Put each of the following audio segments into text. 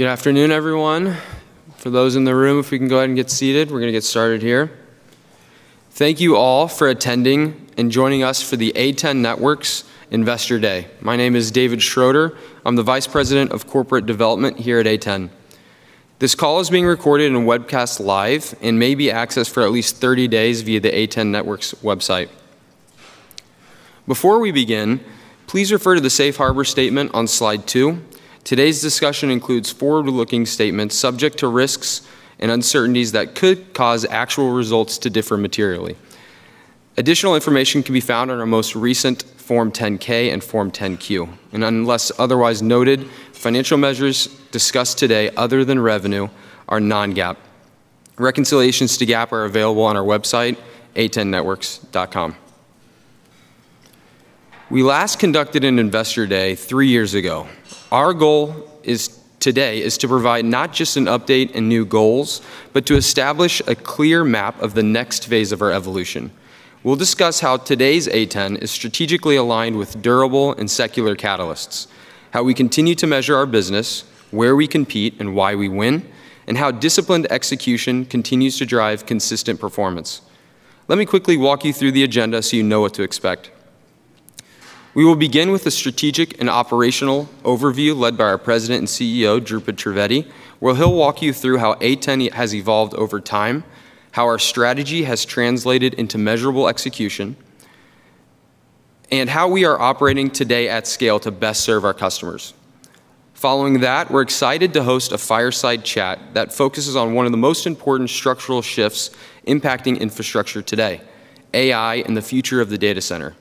Good afternoon, everyone. For those in the room, if we can go ahead and get seated, we're going to get started here. Thank you all for attending and joining us for the A10 Networks Investor Day. My name is David Schroeder. I'm the Vice President of Corporate Development here at A10. This call is being recorded and webcast live, and may be accessed for at least 30 days via the A10 Networks website. Before we begin, please refer to the safe harbor statement on Slide 2. Today's discussion includes forward-looking statements subject to risks and uncertainties that could cause actual results to differ materially. Additional information can be found on our most recent Form 10-K and Form 10-Q. Unless otherwise noted, financial measures discussed today other than revenue are non-GAAP. Reconciliations to GAAP are available on our website, a10networks.com. We last conducted an Investor Day 3 years ago. Our goal today is to provide not just an update and new goals, but to establish a clear map of the next phase of our evolution. We'll discuss how today's A10 is strategically aligned with durable and secular catalysts, how we continue to measure our business, where we compete, and why we win, and how disciplined execution continues to drive consistent performance. Let me quickly walk you through the agenda so you know what to expect. We will begin with a strategic and operational overview led by our President and CEO, Dhrupad Trivedi, where he'll walk you through how A10 has evolved over time, how our strategy has translated into measurable execution, and how we are operating today at scale to best serve our customers. Following that, we're excited to host a fireside chat that focuses on one of the most important structural shifts impacting infrastructure today: AI and the future of the data center.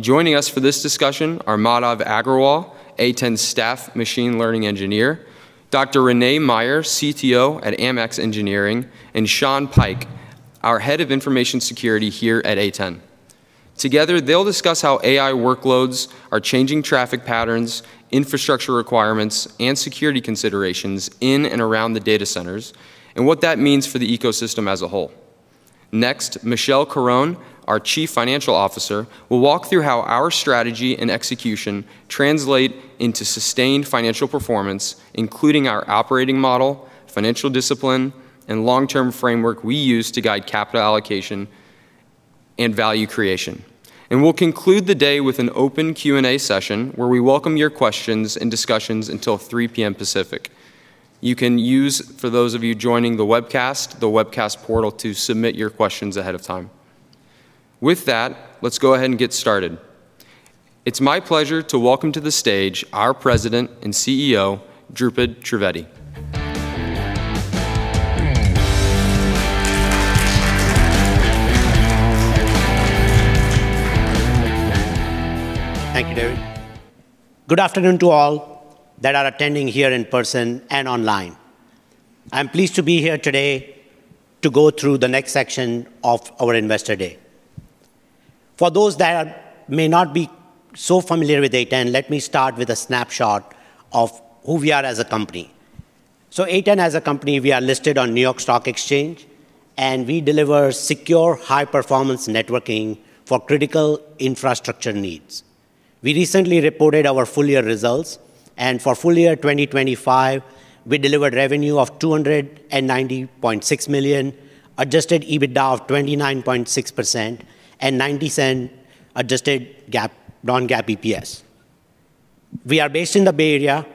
Joining us for this discussion are Madhav Aggarwal, A10's Staff Machine Learning Engineer, Dr. Rene Meyer, CTO at AMAX, and Sean Pike, our Head of Information Security here at A10. Together, they'll discuss how AI workloads are changing traffic patterns, infrastructure requirements, and security considerations in and around the data centers, and what that means for the ecosystem as a whole. Next, Michelle Curran, our Chief Financial Officer, will walk through how our strategy and execution translate into sustained financial performance, including our operating model, financial discipline, and long-term framework we use to guide capital allocation and value creation. We'll conclude the day with an open Q&A session, where we welcome your questions and discussions until 3:00 P.M. Pacific. You can use, for those of you joining the webcast, the webcast portal to submit your questions ahead of time. With that, let's go ahead and get started. It's my pleasure to welcome to the stage our President and CEO, Dhrupad Trivedi. Thank you, David. Good afternoon to all that are attending here in person and online. I'm pleased to be here today to go through the next section of our Investor Day. For those that may not be so familiar with A10, let me start with a snapshot of who we are as a company. So A10, as a company, we are listed on New York Stock Exchange, and we deliver secure, high-performance networking for critical infrastructure needs. We recently reported our full year results, and for full year 2025, we delivered revenue of $290.6 million, Adjusted EBITDA of 29.6%, and $0.90 adjusted GAAP, non-GAAP EPS. We are based in the Bay Area.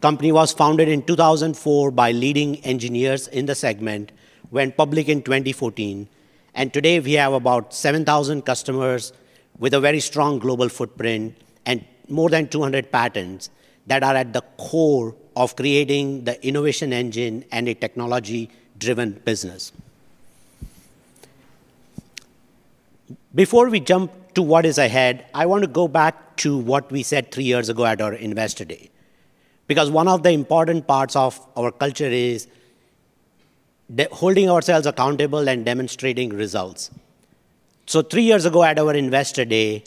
Company was founded in 2004 by leading engineers in the segment, went public in 2014, and today we have about 7,000 customers with a very strong global footprint and more than 200 patents that are at the core of creating the innovation engine and a technology-driven business. Before we jump to what is ahead, I want to go back to what we said three years ago at our Investor Day, because one of the important parts of our culture is the holding ourselves accountable and demonstrating results. So three years ago, at our Investor Day,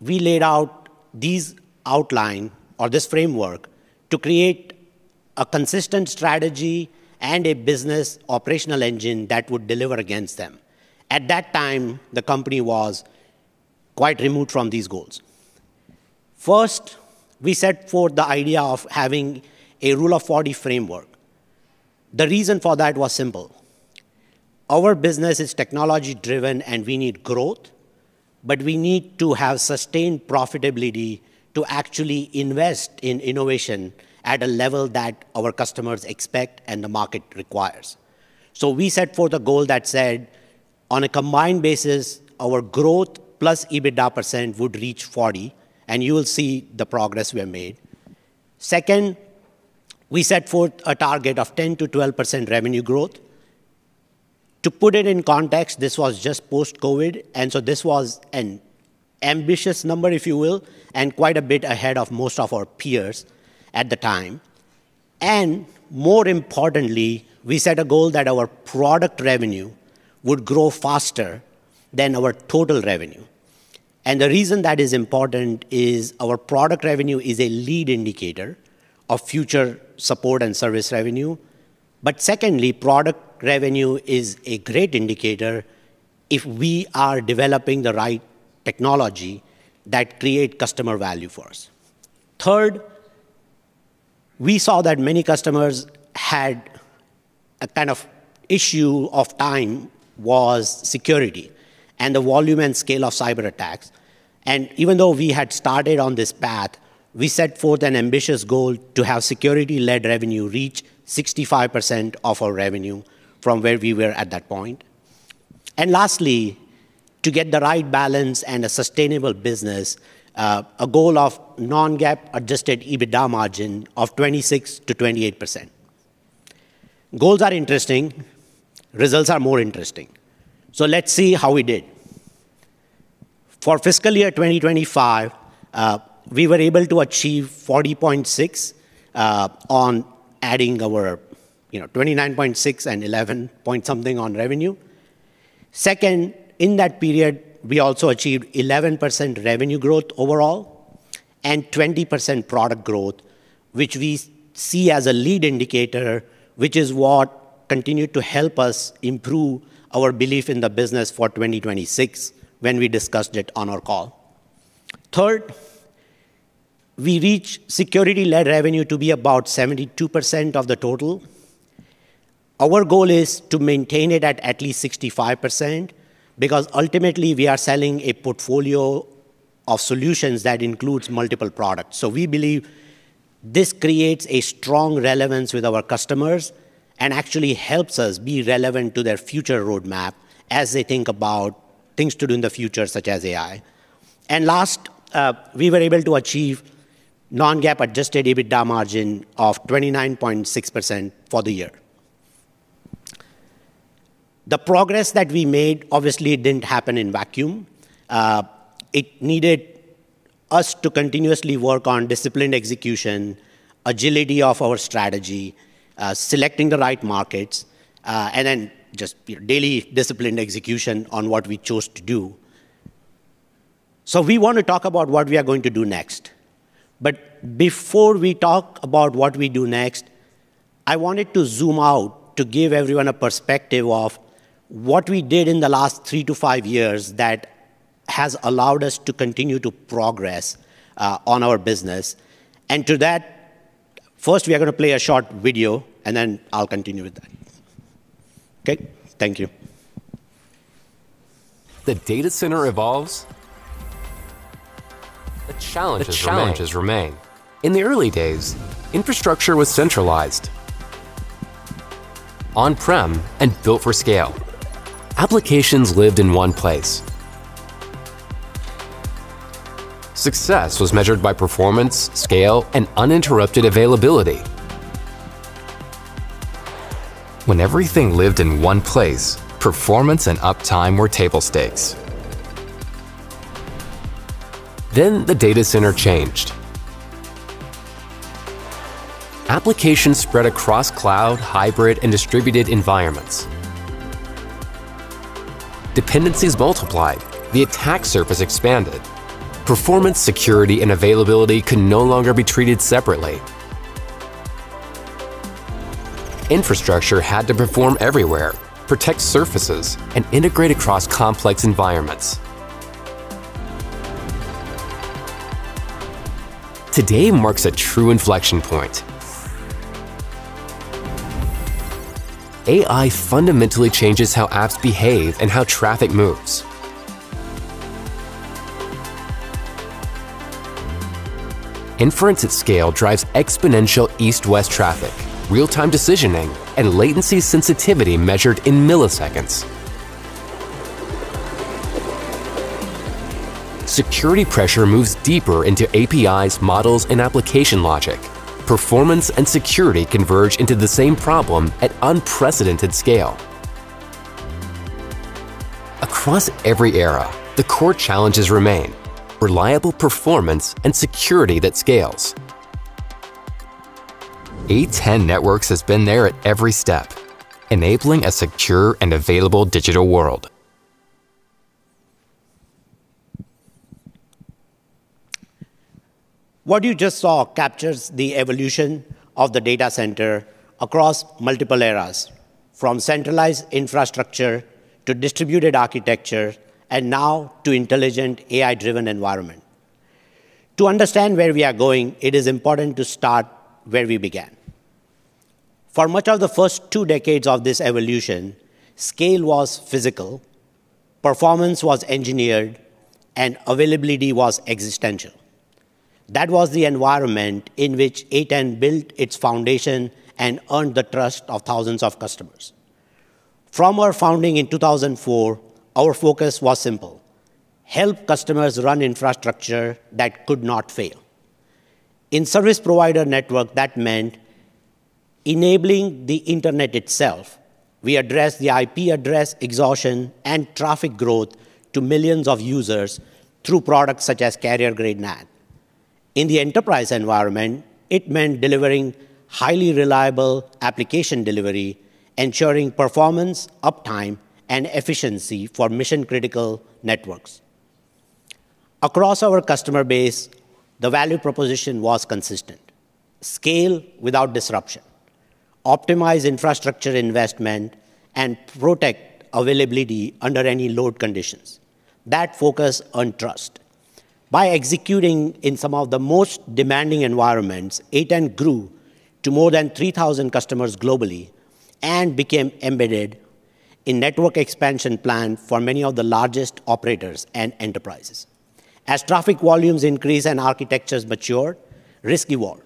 we laid out these outline or this framework to create a consistent strategy and a business operational engine that would deliver against them. At that time, the company was quite removed from these goals. First, we set forth the idea of having a Rule of Forty framework. The reason for that was simple: our business is technology-driven and we need growth, but we need to have sustained profitability to actually invest in innovation at a level that our customers expect and the market requires. So we set forth a goal that said, on a combined basis, our growth plus EBITDA percent would reach 40, and you will see the progress we have made. Second, we set forth a target of 10%-12% revenue growth. To put it in context, this was just post-COVID, and so this was an ambitious number, if you will, and quite a bit ahead of most of our peers at the time. And more importantly, we set a goal that our product revenue would grow faster than our total revenue. And the reason that is important is our product revenue is a lead indicator of future support and service revenue.... But secondly, product revenue is a great indicator if we are developing the right technology that create customer value for us. Third, we saw that many customers had a kind of issue of time, was security and the volume and scale of cyberattacks. And even though we had started on this path, we set forth an ambitious goal to have security-led revenue reach 65% of our revenue from where we were at that point. And lastly, to get the right balance and a sustainable business, a goal of non-GAAP Adjusted EBITDA margin of 26%-28%. Goals are interesting, results are more interesting. So let's see how we did. For fiscal year 2025, we were able to achieve 40.6, on adding our, you know, 29.6 and eleven point something on revenue. Second, in that period, we also achieved 11% revenue growth overall, and 20% product growth, which we see as a lead indicator, which is what continued to help us improve our belief in the business for 2026 when we discussed it on our call. Third, we reach security-led revenue to be about 72% of the total. Our goal is to maintain it at least 65%, because ultimately, we are selling a portfolio of solutions that includes multiple products. So we believe this creates a strong relevance with our customers and actually helps us be relevant to their future roadmap as they think about things to do in the future, such as AI. And last, we were able to achieve non-GAAP Adjusted EBITDA margin of 29.6% for the year. The progress that we made obviously didn't happen in vacuum. It needed us to continuously work on disciplined execution, agility of our strategy, selecting the right markets, and then just your daily disciplined execution on what we chose to do. So we want to talk about what we are going to do next. But before we talk about what we do next, I wanted to zoom out to give everyone a perspective of what we did in the last three to five years that has allowed us to continue to progress, on our business. And to that, first, we are going to play a short video, and then I'll continue with that. Okay? Thank you. The data center evolves, the challenges remain. The challenges remain. In the early days, infrastructure was centralized, on-prem, and built for scale. Applications lived in one place. Success was measured by performance, scale, and uninterrupted availability. When everything lived in one place, performance and uptime were table stakes. Then the data center changed. Applications spread across cloud, hybrid, and distributed environments. Dependencies multiplied. The attack surface expanded. Performance, security, and availability could no longer be treated separately. Infrastructure had to perform everywhere, protect surfaces, and integrate across complex environments. Today marks a true inflection point. AI fundamentally changes how apps behave and how traffic moves. Inference at scale drives exponential east-west traffic, real-time decisioning, and latency sensitivity measured in milliseconds. Security pressure moves deeper into APIs, models, and application logic. Performance and security converge into the same problem at unprecedented scale. Across every era, the core challenges remain: reliable performance and security that scales. A10 Networks has been there at every step, enabling a secure and available digital world. What you just saw captures the evolution of the data center across multiple eras, from centralized infrastructure to distributed architecture, and now to intelligent AI-driven environment. To understand where we are going, it is important to start where we began. For much of the first two decades of this evolution, scale was physical, performance was engineered, and availability was existential. That was the environment in which A10 built its foundation and earned the trust of thousands of customers. From our founding in 2004, our focus was simple: help customers run infrastructure that could not fail. In service provider network, that meant enabling the internet itself. We addressed the IP address exhaustion and traffic growth to millions of users through products such as carrier grade NAT. In the enterprise environment, it meant delivering highly reliable application delivery, ensuring performance, uptime, and efficiency for mission-critical networks.... Across our customer base, the value proposition was consistent: scale without disruption, optimize infrastructure investment, and protect availability under any load conditions. That focus on trust. By executing in some of the most demanding environments, A10 grew to more than 3,000 customers globally and became embedded in network expansion plan for many of the largest operators and enterprises. As traffic volumes increase and architectures mature, risks evolve.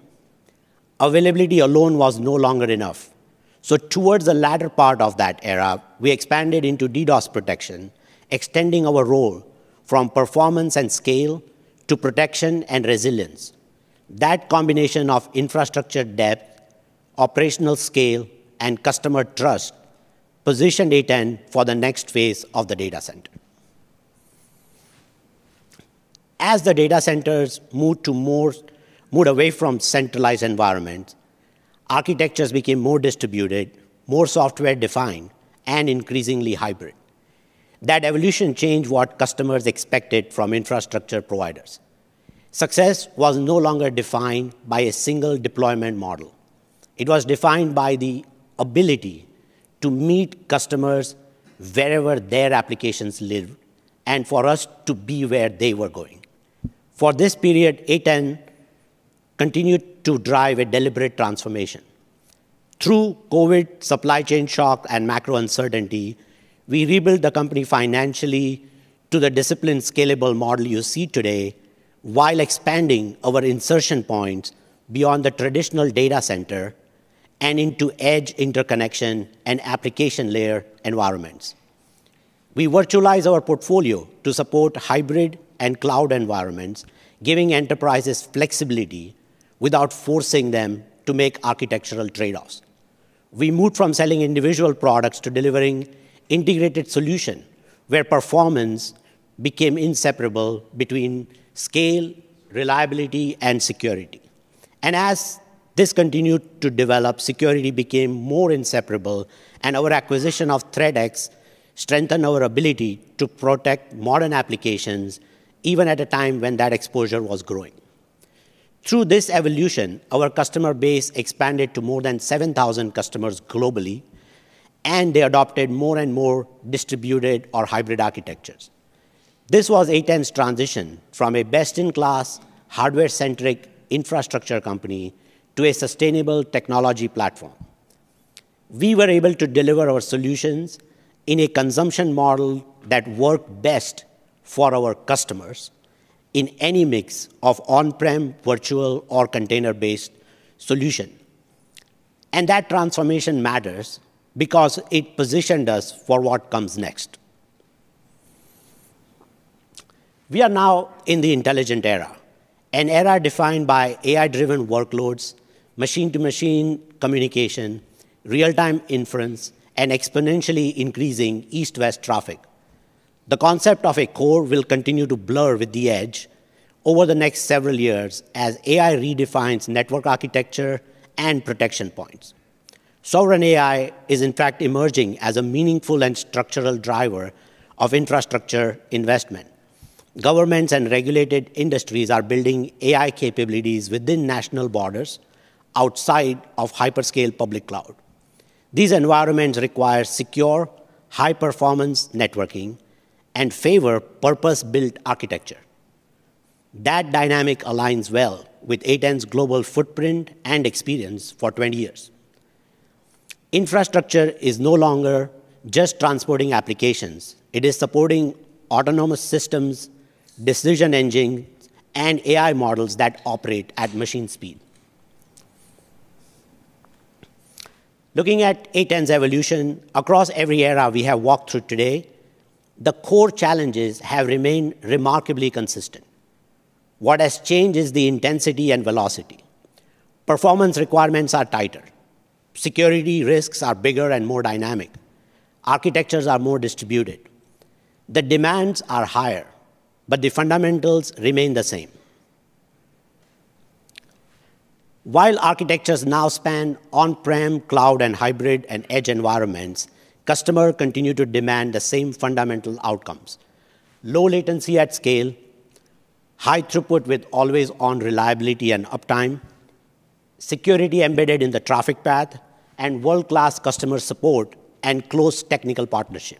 Availability alone was no longer enough. So towards the latter part of that era, we expanded into DDoS protection, extending our role from performance and scale to protection and resilience. That combination of infrastructure depth, operational scale, and customer trust positioned A10 for the next phase of the data center. As the data centers moved away from centralized environments, architectures became more distributed, more software-defined, and increasingly hybrid. That evolution changed what customers expected from infrastructure providers. Success was no longer defined by a single deployment model. It was defined by the ability to meet customers wherever their applications live, and for us to be where they were going. For this period, A10 continued to drive a deliberate transformation. Through COVID, supply chain shock, and macro uncertainty, we rebuilt the company financially to the disciplined, scalable model you see today, while expanding our insertion point beyond the traditional data center and into edge interconnection and application layer environments. We virtualized our portfolio to support hybrid and cloud environments, giving enterprises flexibility without forcing them to make architectural trade-offs. We moved from selling individual products to delivering integrated solution, where performance became inseparable between scale, reliability, and security. As this continued to develop, security became more inseparable, and our acquisition of ThreatX strengthened our ability to protect modern applications, even at a time when that exposure was growing. Through this evolution, our customer base expanded to more than 7,000 customers globally, and they adopted more and more distributed or hybrid architectures. This was A10's transition from a best-in-class, hardware-centric infrastructure company to a sustainable technology platform. We were able to deliver our solutions in a consumption model that worked best for our customers in any mix of on-prem, virtual, or container-based solution. That transformation matters because it positioned us for what comes next. We are now in the intelligent era, an era defined by AI-driven workloads, machine-to-machine communication, real-time inference, and exponentially increasing east-west traffic. The concept of a core will continue to blur with the edge over the next several years as AI redefines network architecture and protection points. Sovereign AI is in fact emerging as a meaningful and structural driver of infrastructure investment. Governments and regulated industries are building AI capabilities within national borders outside of hyperscale public cloud. These environments require secure, high-performance networking and favor purpose-built architecture. That dynamic aligns well with A10's global footprint and experience for 20 years. Infrastructure is no longer just transporting applications. It is supporting autonomous systems, decision engines, and AI models that operate at machine speed. Looking at A10's evolution across every era we have walked through today, the core challenges have remained remarkably consistent. What has changed is the intensity and velocity. Performance requirements are tighter. Security risks are bigger and more dynamic. Architectures are more distributed. The demands are higher, but the fundamentals remain the same. While architectures now span on-prem, cloud, and hybrid, and edge environments, customers continue to demand the same fundamental outcomes: low latency at scale, high throughput with always-on reliability and uptime, security embedded in the traffic path, and world-class customer support and close technical partnership.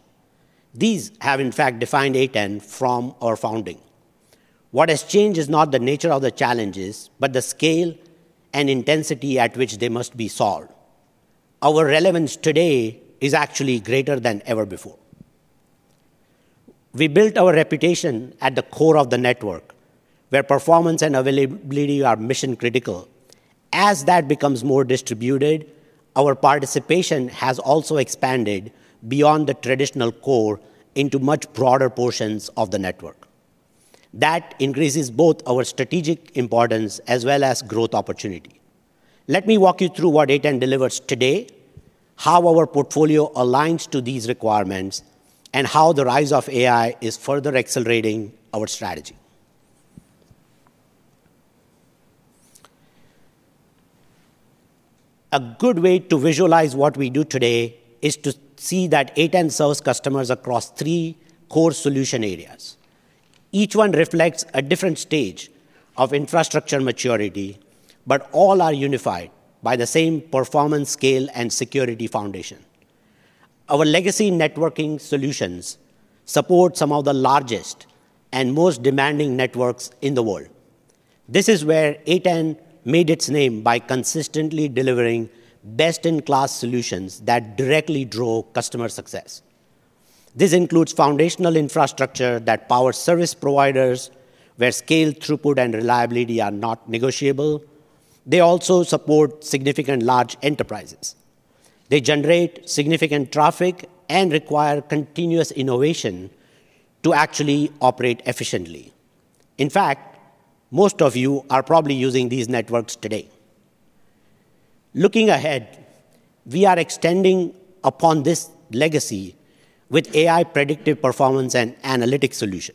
These have, in fact, defined A10 from our founding. What has changed is not the nature of the challenges, but the scale and intensity at which they must be solved. Our relevance today is actually greater than ever before. We built our reputation at the core of the network, where performance and availability are mission-critical. As that becomes more distributed, our participation has also expanded beyond the traditional core into much broader portions of the network. That increases both our strategic importance as well as growth opportunity. Let me walk you through what A10 delivers today, how our portfolio aligns to these requirements, and how the rise of AI is further accelerating our strategy.... A good way to visualize what we do today is to see that A10 serves customers across three core solution areas. Each one reflects a different stage of infrastructure maturity, but all are unified by the same performance, scale, and security foundation. Our legacy networking solutions support some of the largest and most demanding networks in the world. This is where A10 made its name by consistently delivering best-in-class solutions that directly drove customer success. This includes foundational infrastructure that powers service providers, where scale, throughput, and reliability are not negotiable. They also support significant large enterprises. They generate significant traffic and require continuous innovation to actually operate efficiently. In fact, most of you are probably using these networks today. Looking ahead, we are extending upon this legacy with AI predictive performance and analytic solution.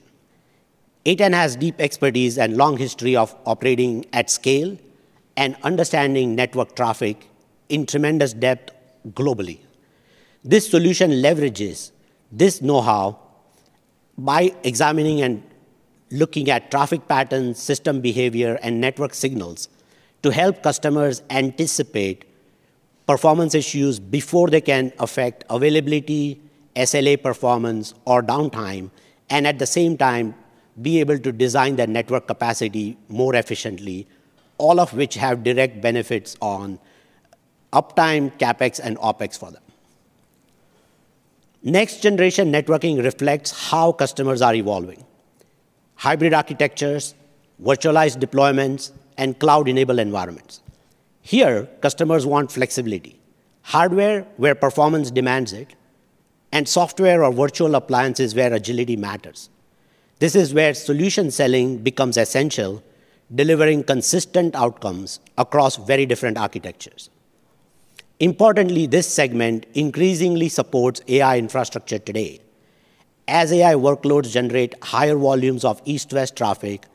A10 has deep expertise and long history of operating at scale and understanding network traffic in tremendous depth globally. This solution leverages this know-how by examining and looking at traffic patterns, system behavior, and network signals to help customers anticipate performance issues before they can affect availability, SLA performance, or downtime, and at the same time, be able to design their network capacity more efficiently, all of which have direct benefits on uptime, CapEx, and OpEx for them. Next-generation networking reflects how customers are evolving. Hybrid architectures, virtualized deployments, and cloud-enabled environments. Here, customers want flexibility, hardware where performance demands it, and software or virtual appliances where agility matters. This is where solution selling becomes essential, delivering consistent outcomes across very different architectures. Importantly, this segment increasingly supports AI infrastructure today. As AI workloads generate higher volumes of east-west traffic,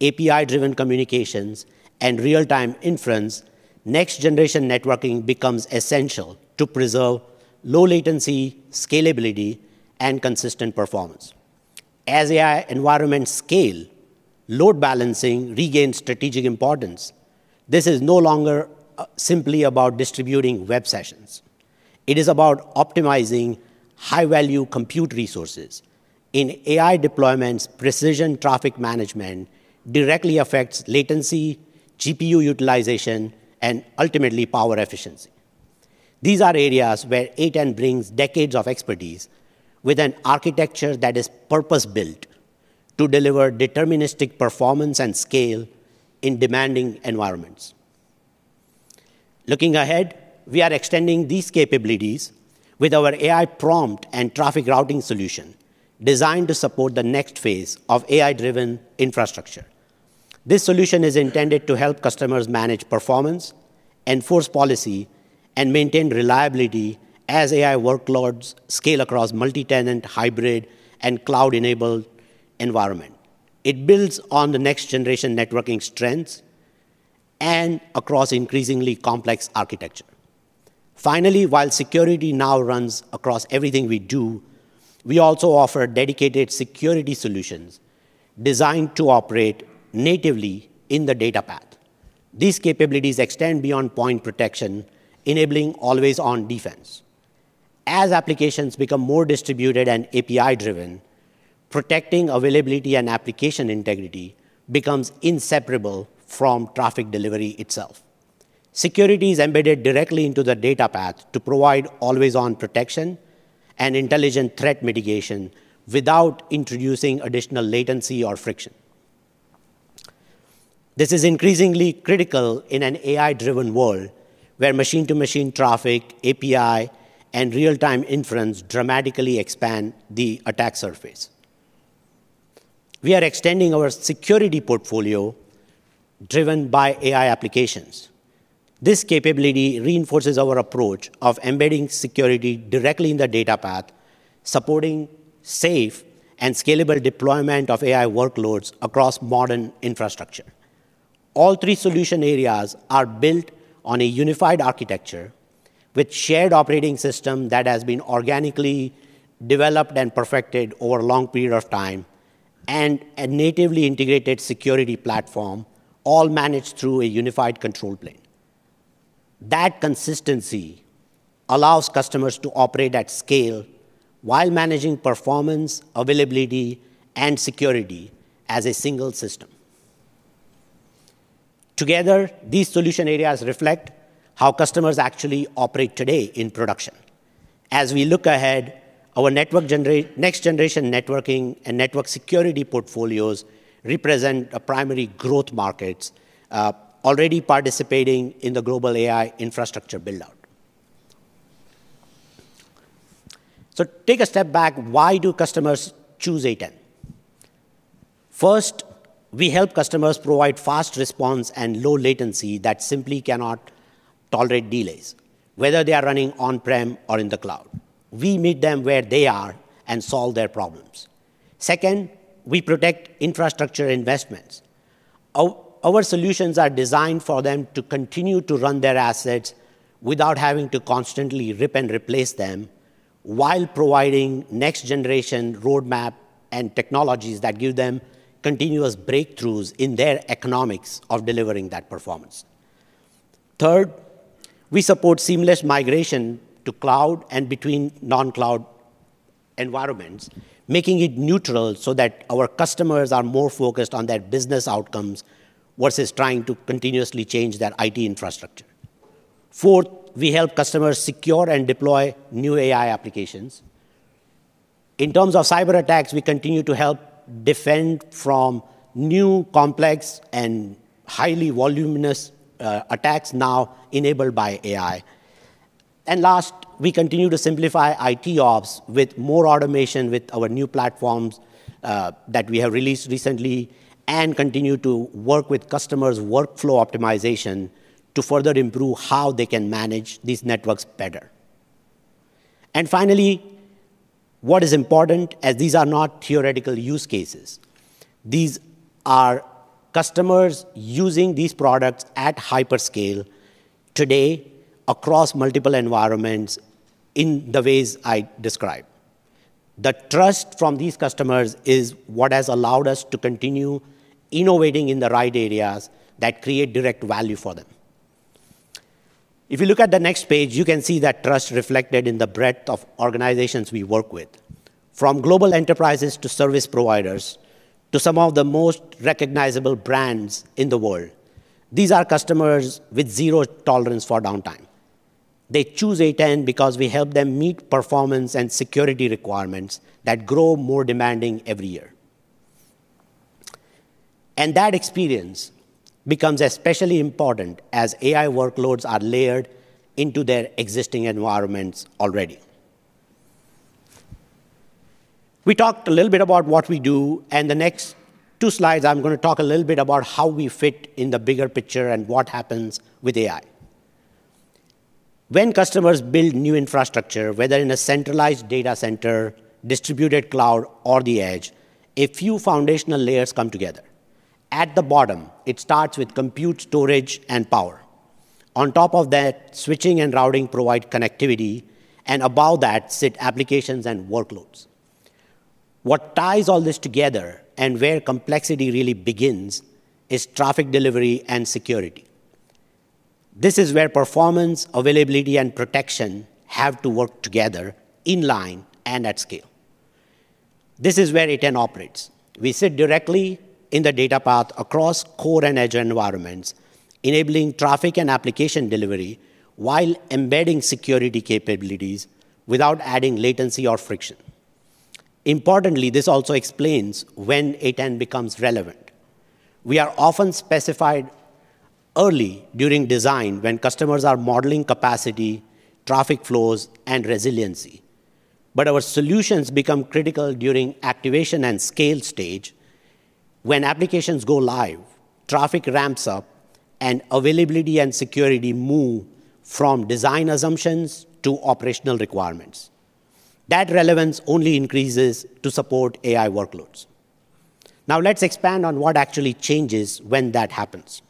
API-driven communications, and real-time inference, next-generation networking becomes essential to preserve low latency, scalability, and consistent performance. As AI environments scale, load balancing regains strategic importance. This is no longer simply about distributing web sessions. It is about optimizing high-value compute resources. In AI deployments, precision traffic management directly affects latency, GPU utilization, and ultimately, power efficiency. These are areas where A10 brings decades of expertise with an architecture that is purpose-built to deliver deterministic performance and scale in demanding environments. Looking ahead, we are extending these capabilities with our AI prompt and traffic routing solution, designed to support the next phase of AI-driven infrastructure. This solution is intended to help customers manage performance, enforce policy, and maintain reliability as AI workloads scale across multi-tenant, hybrid, and cloud-enabled environment. It builds on the next-generation networking strengths and across increasingly complex architecture. Finally, while security now runs across everything we do, we also offer dedicated security solutions designed to operate natively in the data path. These capabilities extend beyond point protection, enabling always-on defense. As applications become more distributed and API-driven, protecting availability and application integrity becomes inseparable from traffic delivery itself. Security is embedded directly into the data path to provide always-on protection and intelligent threat mitigation without introducing additional latency or friction. This is increasingly critical in an AI-driven world, where machine-to-machine traffic, API, and real-time inference dramatically expand the attack surface. We are extending our security portfolio driven by AI applications. This capability reinforces our approach of embedding security directly in the data path, supporting safe and scalable deployment of AI workloads across modern infrastructure. All three solution areas are built on a unified architecture with shared operating system that has been organically developed and perfected over a long period of time, and a natively integrated security platform, all managed through a unified control plane. That consistency allows customers to operate at scale while managing performance, availability, and security as a single system. Together, these solution areas reflect how customers actually operate today in production. As we look ahead, our next-generation networking and network security portfolios represent a primary growth markets, already participating in the global AI infrastructure build-out. So take a step back. Why do customers choose A10? First, we help customers provide fast response and low latency that simply cannot tolerate delays, whether they are running on-prem or in the cloud. We meet them where they are and solve their problems.... Second, we protect infrastructure investments. Our solutions are designed for them to continue to run their assets without having to constantly rip and replace them, while providing next-generation roadmap and technologies that give them continuous breakthroughs in their economics of delivering that performance. Third, we support seamless migration to cloud and between non-cloud environments, making it neutral so that our customers are more focused on their business outcomes versus trying to continuously change their IT infrastructure. Fourth, we help customers secure and deploy new AI applications. In terms of cyberattacks, we continue to help defend from new, complex, and highly voluminous attacks now enabled by AI. And last, we continue to simplify IT ops with more automation with our new platforms that we have released recently, and continue to work with customers' workflow optimization to further improve how they can manage these networks better. Finally, what is important, as these are not theoretical use cases, these are customers using these products at hyperscale today across multiple environments in the ways I described. The trust from these customers is what has allowed us to continue innovating in the right areas that create direct value for them. If you look at the next page, you can see that trust reflected in the breadth of organizations we work with, from global enterprises to service providers, to some of the most recognizable brands in the world. These are customers with zero tolerance for downtime. They choose A10 because we help them meet performance and security requirements that grow more demanding every year. That experience becomes especially important as AI workloads are layered into their existing environments already. We talked a little bit about what we do, and the next two slides, I'm gonna talk a little bit about how we fit in the bigger picture and what happens with AI. When customers build new infrastructure, whether in a centralized data center, distributed cloud, or the edge, a few foundational layers come together. At the bottom, it starts with compute, storage, and power. On top of that, switching and routing provide connectivity, and above that sit applications and workloads. What ties all this together, and where complexity really begins, is traffic delivery and security. This is where performance, availability, and protection have to work together in line and at scale. This is where A10 operates. We sit directly in the data path across core and edge environments, enabling traffic and application delivery while embedding security capabilities without adding latency or friction. Importantly, this also explains when A10 becomes relevant. We are often specified early during design when customers are modeling capacity, traffic flows, and resiliency. But our solutions become critical during activation and scale stage. When applications go live, traffic ramps up, and availability and security move from design assumptions to operational requirements. That relevance only increases to support AI workloads. Now, let's expand on what actually changes when that happens.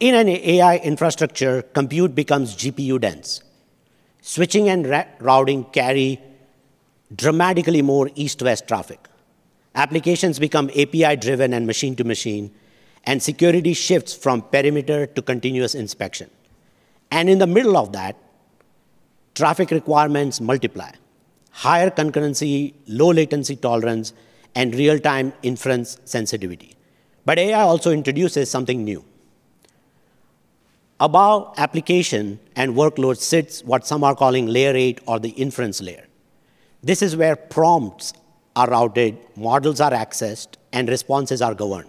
In an AI infrastructure, compute becomes GPU dense. Switching and routing carry dramatically more east-west traffic. Applications become API-driven and machine to machine, and security shifts from perimeter to continuous inspection. And in the middle of that, traffic requirements multiply: higher concurrency, low latency tolerance, and real-time inference sensitivity. But AI also introduces something new. Above application and workload sits what some are calling layer eight or the inference layer. This is where prompts are routed, models are accessed, and responses are governed.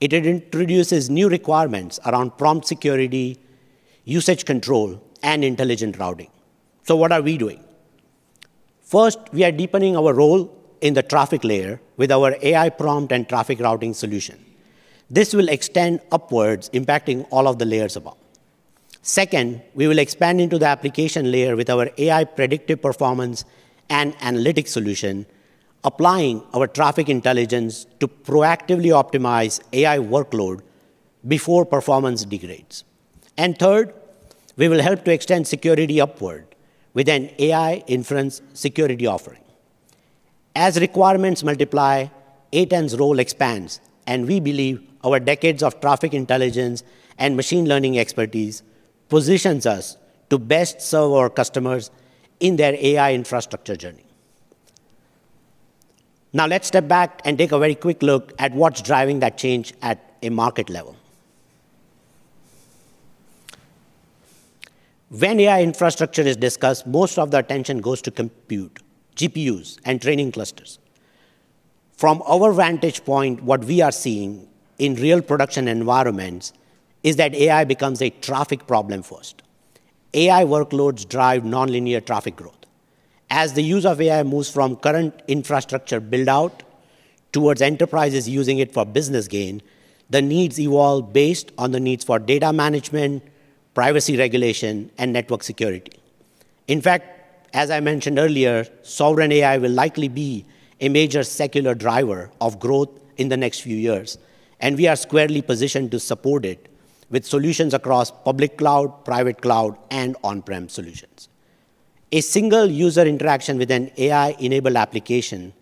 It introduces new requirements around prompt security, usage control, and intelligent routing. So what are we doing? First, we are deepening our role in the traffic layer with our AI prompt and traffic routing solution. This will extend upwards, impacting all of the layers above. Second, we will expand into the application layer with our AI predictive performance and analytics solution, applying our traffic intelligence to proactively optimize AI workload before performance degrades. And third, we will help to extend security upward with an AI inference security offering. As requirements multiply, A10's role expands, and we believe our decades of traffic intelligence and machine learning expertise positions us to best serve our customers in their AI infrastructure journey. Now, let's step back and take a very quick look at what's driving that change at a market level. When AI infrastructure is discussed, most of the attention goes to compute, GPUs, and training clusters. From our vantage point, what we are seeing in real production environments is that AI becomes a traffic problem first. AI workloads drive nonlinear traffic growth. As the use of AI moves from current infrastructure build-out toward enterprises using it for business gain, the needs evolve based on the needs for data management, privacy regulation, and network security. In fact, as I mentioned earlier, sovereign AI will likely be a major secular driver of growth in the next few years, and we are squarely positioned to support it with solutions across public cloud, private cloud, and on-prem solutions. A single user interaction with an AI-enabled application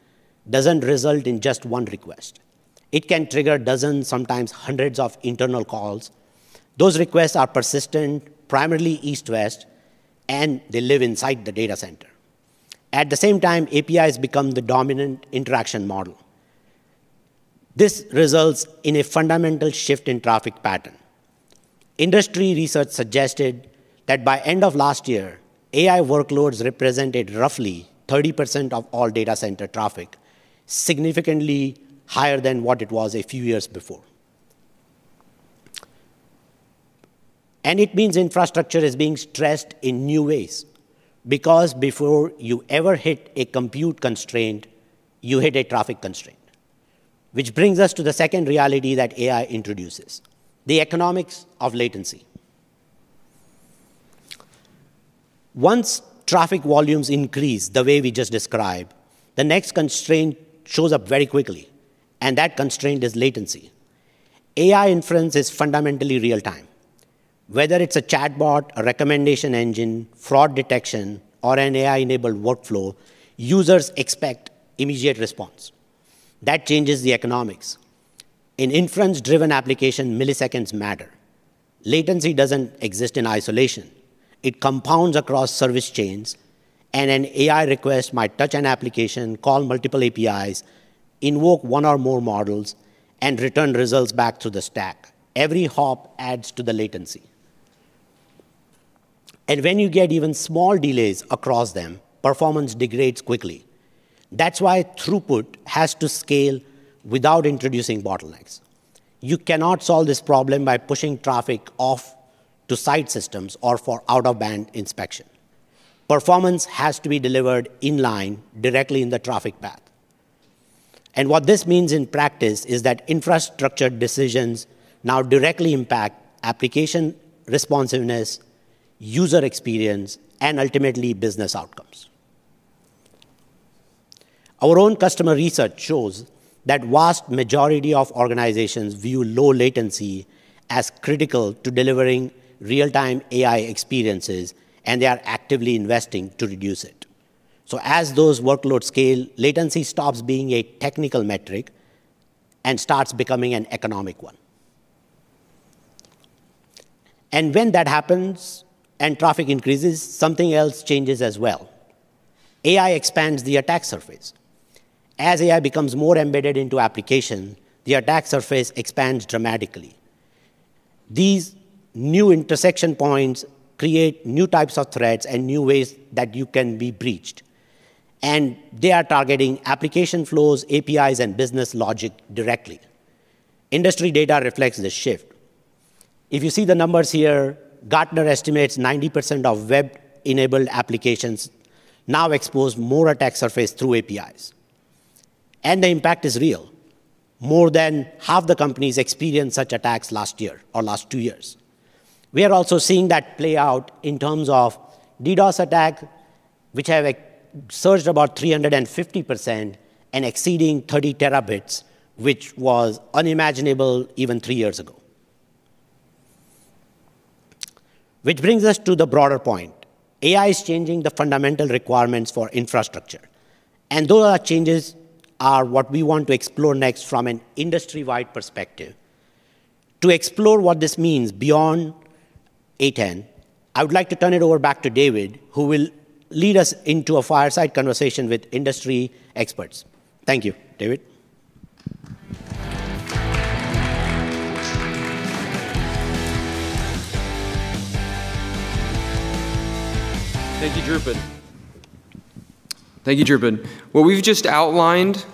doesn't result in just one request. It can trigger dozens, sometimes hundreds, of internal calls. Those requests are persistent, primarily east-west, and they live inside the data center. At the same time, APIs become the dominant interaction model. This results in a fundamental shift in traffic pattern. Industry research suggested that by end of last year, AI workloads represented roughly 30% of all data center traffic, significantly higher than what it was a few years before. It means infrastructure is being stressed in new ways, because before you ever hit a compute constraint, you hit a traffic constraint. Which brings us to the second reality that AI introduces: the economics of latency. Once traffic volumes increase the way we just described, the next constraint shows up very quickly, and that constraint is latency. AI inference is fundamentally real-time. Whether it's a chatbot, a recommendation engine, fraud detection, or an AI-enabled workflow, users expect immediate response. That changes the economics. In inference-driven application, milliseconds matter. Latency doesn't exist in isolation. It compounds across service chains, and an AI request might touch an application, call multiple APIs, invoke one or more models, and return results back to the stack. Every hop adds to the latency. And when you get even small delays across them, performance degrades quickly. That's why throughput has to scale without introducing bottlenecks. You cannot solve this problem by pushing traffic off to side systems or for out-of-band inspection. Performance has to be delivered in line, directly in the traffic path. And what this means in practice is that infrastructure decisions now directly impact application responsiveness, user experience, and ultimately business outcomes. Our own customer research shows that vast majority of organizations view low latency as critical to delivering real-time AI experiences, and they are actively investing to reduce it. So as those workloads scale, latency stops being a technical metric and starts becoming an economic one. When that happens and traffic increases, something else changes as well. AI expands the attack surface. As AI becomes more embedded into application, the attack surface expands dramatically. These new intersection points create new types of threats and new ways that you can be breached, and they are targeting application flows, APIs, and business logic directly. Industry data reflects this shift. If you see the numbers here, Gartner estimates 90% of web-enabled applications now expose more attack surface through APIs, and the impact is real. More than half the companies experienced such attacks last year or last two years. We are also seeing that play out in terms of DDoS attack, which have, like, surged about 350% and exceeding 30 TB, which was unimaginable even three years ago. Which brings us to the broader point: AI is changing the fundamental requirements for infrastructure, and those changes are what we want to explore next from an industry-wide perspective. To explore what this means beyond A10, I would like to turn it over back to David, who will lead us into a fireside conversation with industry experts. Thank you. David? Thank you, Dhrupad. Thank you, Dhrupad. What we've just outlined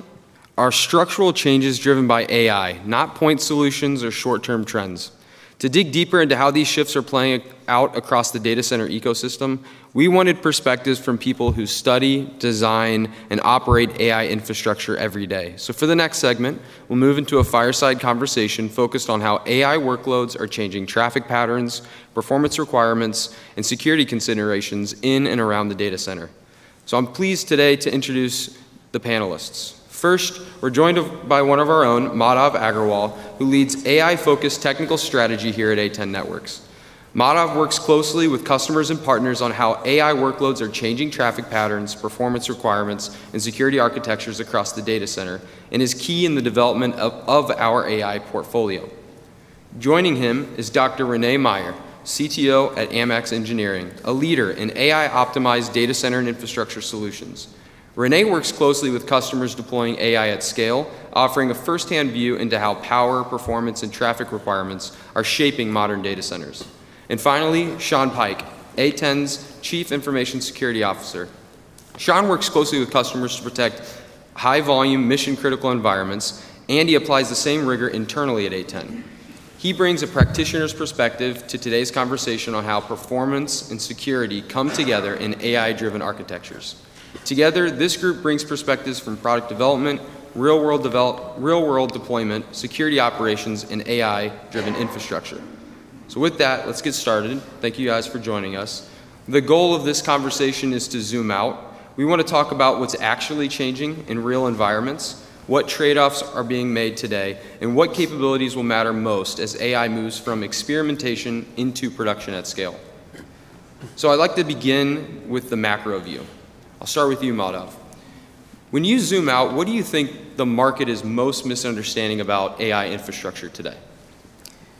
are structural changes driven by AI, not point solutions or short-term trends. To dig deeper into how these shifts are playing out across the data center ecosystem, we wanted perspectives from people who study, design, and operate AI infrastructure every day. So for the next segment, we'll move into a fireside conversation focused on how AI workloads are changing traffic patterns, performance requirements, and security considerations in and around the data center. So I'm pleased today to introduce the panelists. First, we're joined by one of our own, Madhav Aggarwal, who leads AI-focused technical strategy here at A10 Networks. Madhav works closely with customers and partners on how AI workloads are changing traffic patterns, performance requirements, and security architectures across the data center, and is key in the development of, of our AI portfolio. Joining him is Dr. Rene Meyer, CTO at AMAX Engineering, a leader in AI-optimized data center and infrastructure solutions. Rene works closely with customers deploying AI at scale, offering a first-hand view into how power, performance, and traffic requirements are shaping modern data centers. And finally, Sean Pike, A10's Chief Information Security Officer. Sean works closely with customers to protect high-volume, mission-critical environments, and he applies the same rigor internally at A10. He brings a practitioner's perspective to today's conversation on how performance and security come together in AI-driven architectures. Together, this group brings perspectives from product development, real-world deployment, security operations, and AI-driven infrastructure. So with that, let's get started. Thank you guys for joining us. The goal of this conversation is to zoom out. We wanna talk about what's actually changing in real environments, what trade-offs are being made today, and what capabilities will matter most as AI moves from experimentation into production at scale. So I'd like to begin with the macro view. I'll start with you, Madhav. When you zoom out, what do you think the market is most misunderstanding about AI infrastructure today?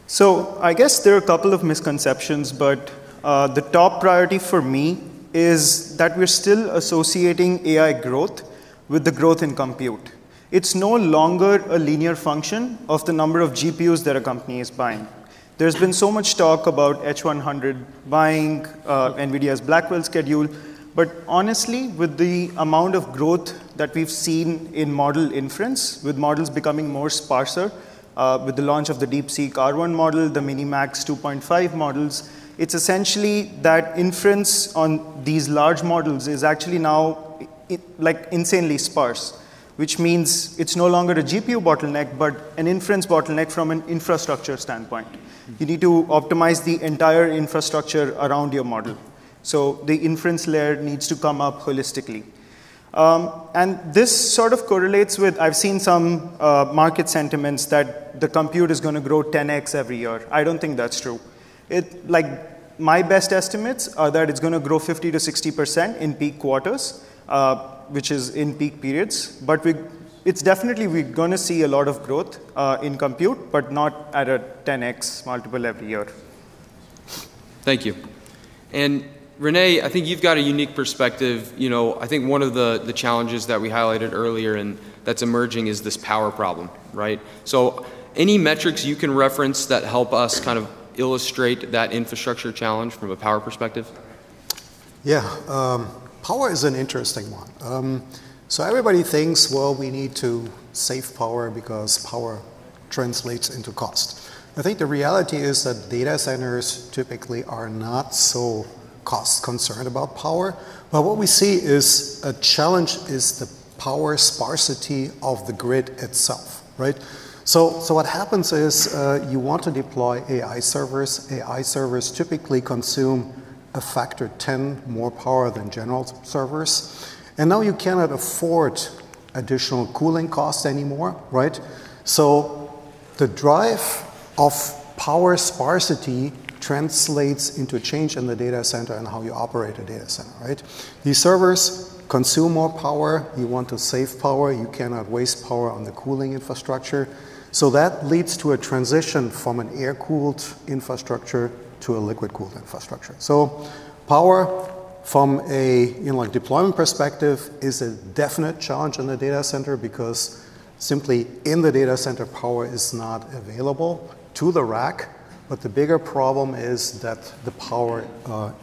So I guess there are a couple of misconceptions, but the top priority for me is that we're still associating AI growth with the growth in compute. It's no longer a linear function of the number of GPUs that a company is buying. There's been so much talk about H100 buying, NVIDIA's Blackwell schedule, but honestly, with the amount of growth that we've seen in model inference, with models becoming more sparser, with the launch of the DeepSeek-R1 model, the MiniMax 2.5 models, it's essentially that inference on these large models is actually now like insanely sparse, which means it's no longer a GPU bottleneck, but an inference bottleneck from an infrastructure standpoint. You need to optimize the entire infrastructure around your model, so the inference layer needs to come up holistically. And this sort of correlates with... I've seen some market sentiments that the compute is gonna grow 10x every year. I don't think that's true. Like, my best estimates are that it's gonna grow 50%-60% in peak quarters, which is in peak periods, but it's definitely we're gonna see a lot of growth in compute, but not at a 10x multiple every year. Thank you. And René, I think you've got a unique perspective. You know, I think one of the challenges that we highlighted earlier and that's emerging is this power problem, right? So any metrics you can reference that help us kind of illustrate that infrastructure challenge from a power perspective? Yeah, power is an interesting one. So everybody thinks, well, we need to save power because power translates into cost. I think the reality is that data centers typically are not so cost-concerned about power, but what we see is a challenge is the power sparsity of the grid itself, right? So, so what happens is, you want to deploy AI servers. AI servers typically consume a factor 10 more power than general servers, and now you cannot afford additional cooling costs anymore, right? So the drive of power sparsity translates into a change in the data center and how you operate a data center, right? These servers consume more power. You want to save power. You cannot waste power on the cooling infrastructure. So that leads to a transition from an air-cooled infrastructure to a liquid-cooled infrastructure. So power from a, you know, like, deployment perspective is a definite challenge in the data center because simply in the data center, power is not available to the rack, but the bigger problem is that the power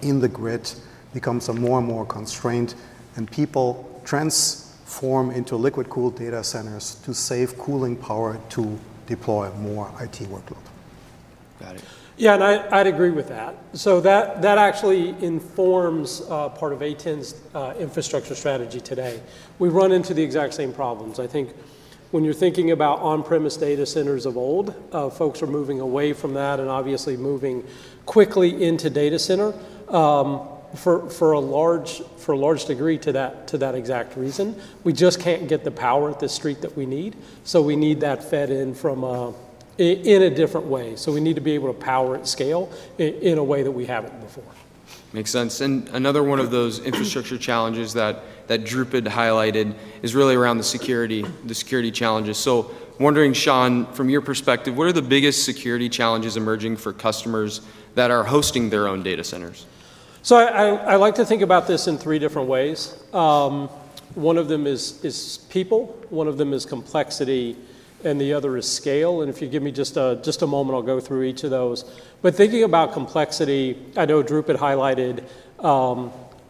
in the grid becomes more and more constrained, and people transform into liquid-cooled data centers to save cooling power to deploy more IT workload. Got it. Yeah, and I, I'd agree with that. So that actually informs part of A10's infrastructure strategy today. We've run into the exact same problems. I think when you're thinking about on-premise data centers of old, folks are moving away from that and obviously moving quickly into data center, for a large degree to that exact reason. We just can't get the power at the street that we need, so we need that fed in from in a different way. So we need to be able to power at scale in a way that we haven't before. Makes sense. Another one of those infrastructure challenges that Dhrupad highlighted is really around the security challenges. Wondering, Sean, from your perspective, what are the biggest security challenges emerging for customers that are hosting their own data centers? So I like to think about this in three different ways. One of them is people, one of them is complexity, and the other is scale, and if you give me just a moment, I'll go through each of those. But thinking about complexity, I know Dhrupad highlighted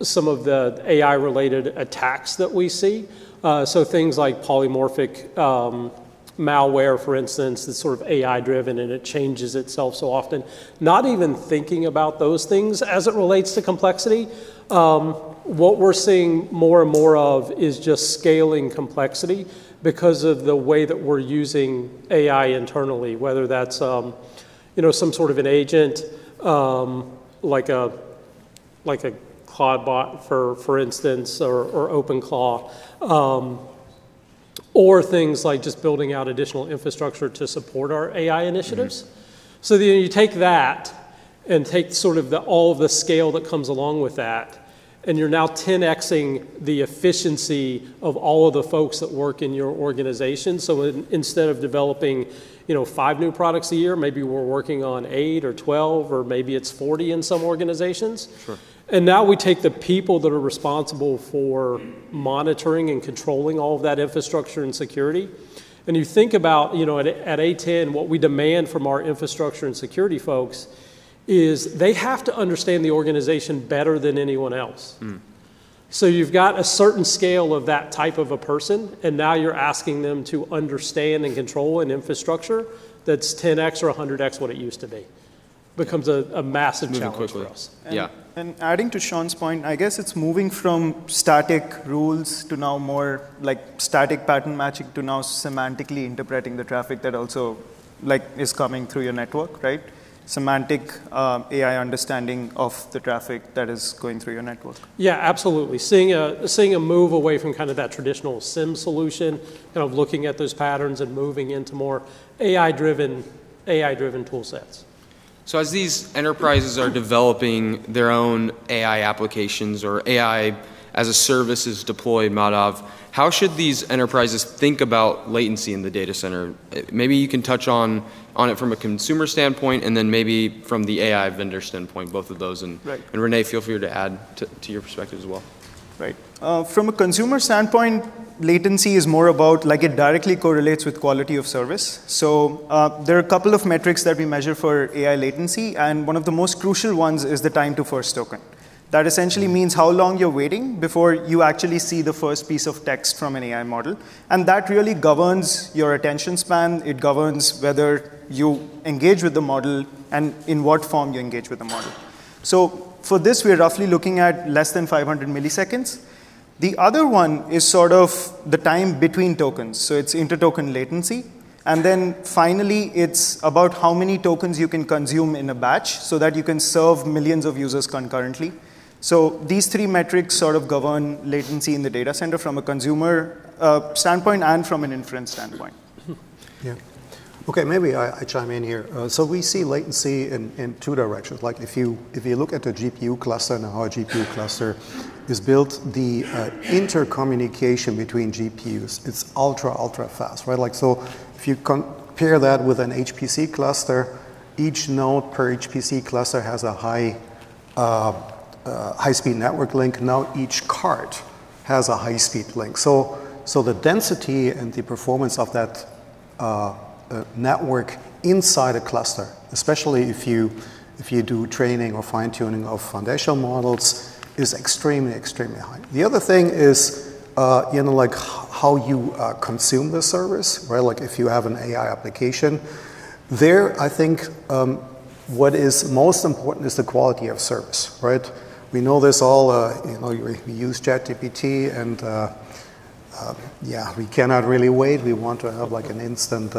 some of the AI-related attacks that we see, so things like polymorphic malware, for instance, that's sort of AI-driven, and it changes itself so often. Not even thinking about those things as it relates to complexity, what we're seeing more and more of is just scaling complexity because of the way that we're using AI internally, whether that's, you know, some sort of an agent, like a, like a ClaudeBot, for, for instance, or, or OpenClaw, or things like just building out additional infrastructure to support our AI initiatives. Mm-hmm. So then you take that and take sort of the, all the scale that comes along with that, and you're now 10X-ing the efficiency of all of the folks that work in your organization. So instead of developing, you know, five new products a year, maybe we're working on eight or 12, or maybe it's 40 in some organizations. Sure. Now we take the people that are responsible for monitoring and controlling all of that infrastructure and security, and you think about, you know, at A10, what we demand from our infrastructure and security folks is they have to understand the organization better than anyone else. Mm-hmm So you've got a certain scale of that type of a person, and now you're asking them to understand and control an infrastructure that's 10x or 100x what it used to be. It becomes a massive challenge for us. Moving quickly. Yeah. And adding to Sean's point, I guess it's moving from static rules to now more like static pattern matching, to now semantically interpreting the traffic that also, like, is coming through your network, right? Semantic AI understanding of the traffic that is going through your network. Yeah, absolutely. Seeing a move away from kind of that traditional SIEM solution, kind of looking at those patterns and moving into more AI-driven tool sets. As these enterprises are developing their own AI applications or AI-as-a-service is deployed, Madhav, how should these enterprises think about latency in the data center? Maybe you can touch on it from a consumer standpoint, and then maybe from the AI vendor standpoint, both of those- Right. Rene, feel free to add to your perspective as well. Right. From a consumer standpoint, latency is more about, like, it directly correlates with quality of service. So, there are a couple of metrics that we measure for AI latency, and one of the most crucial ones is the time to first token. That essentially means how long you're waiting before you actually see the first piece of text from an AI model, and that really governs your attention span, it governs whether you engage with the model and in what form you engage with the model. So for this, we're roughly looking at less than 500 milliseconds. The other one is sort of the time between tokens, so it's inter-token latency. And then finally, it's about how many tokens you can consume in a batch so that you can serve millions of users concurrently. So these three metrics sort of govern latency in the data center from a consumer standpoint and from an inference standpoint. Yeah. Okay, maybe I chime in here. So we see latency in two directions. Like, if you look at a GPU cluster and how a GPU cluster is built, the intercommunication between GPUs, it's ultra, ultra fast, right? Like, so if you compare that with an HPC cluster, each node per HPC cluster has a high-speed network link. Now, each card has a high-speed link. So the density and the performance of that network inside a cluster, especially if you do training or fine-tuning of foundational models, is extremely, extremely high. The other thing is, you know, like, how you consume the service, right? Like, if you have an AI application, there, I think, what is most important is the quality of service, right? We know this all, you know, we use ChatGPT, and yeah, we cannot really wait. We want to have, like, an instant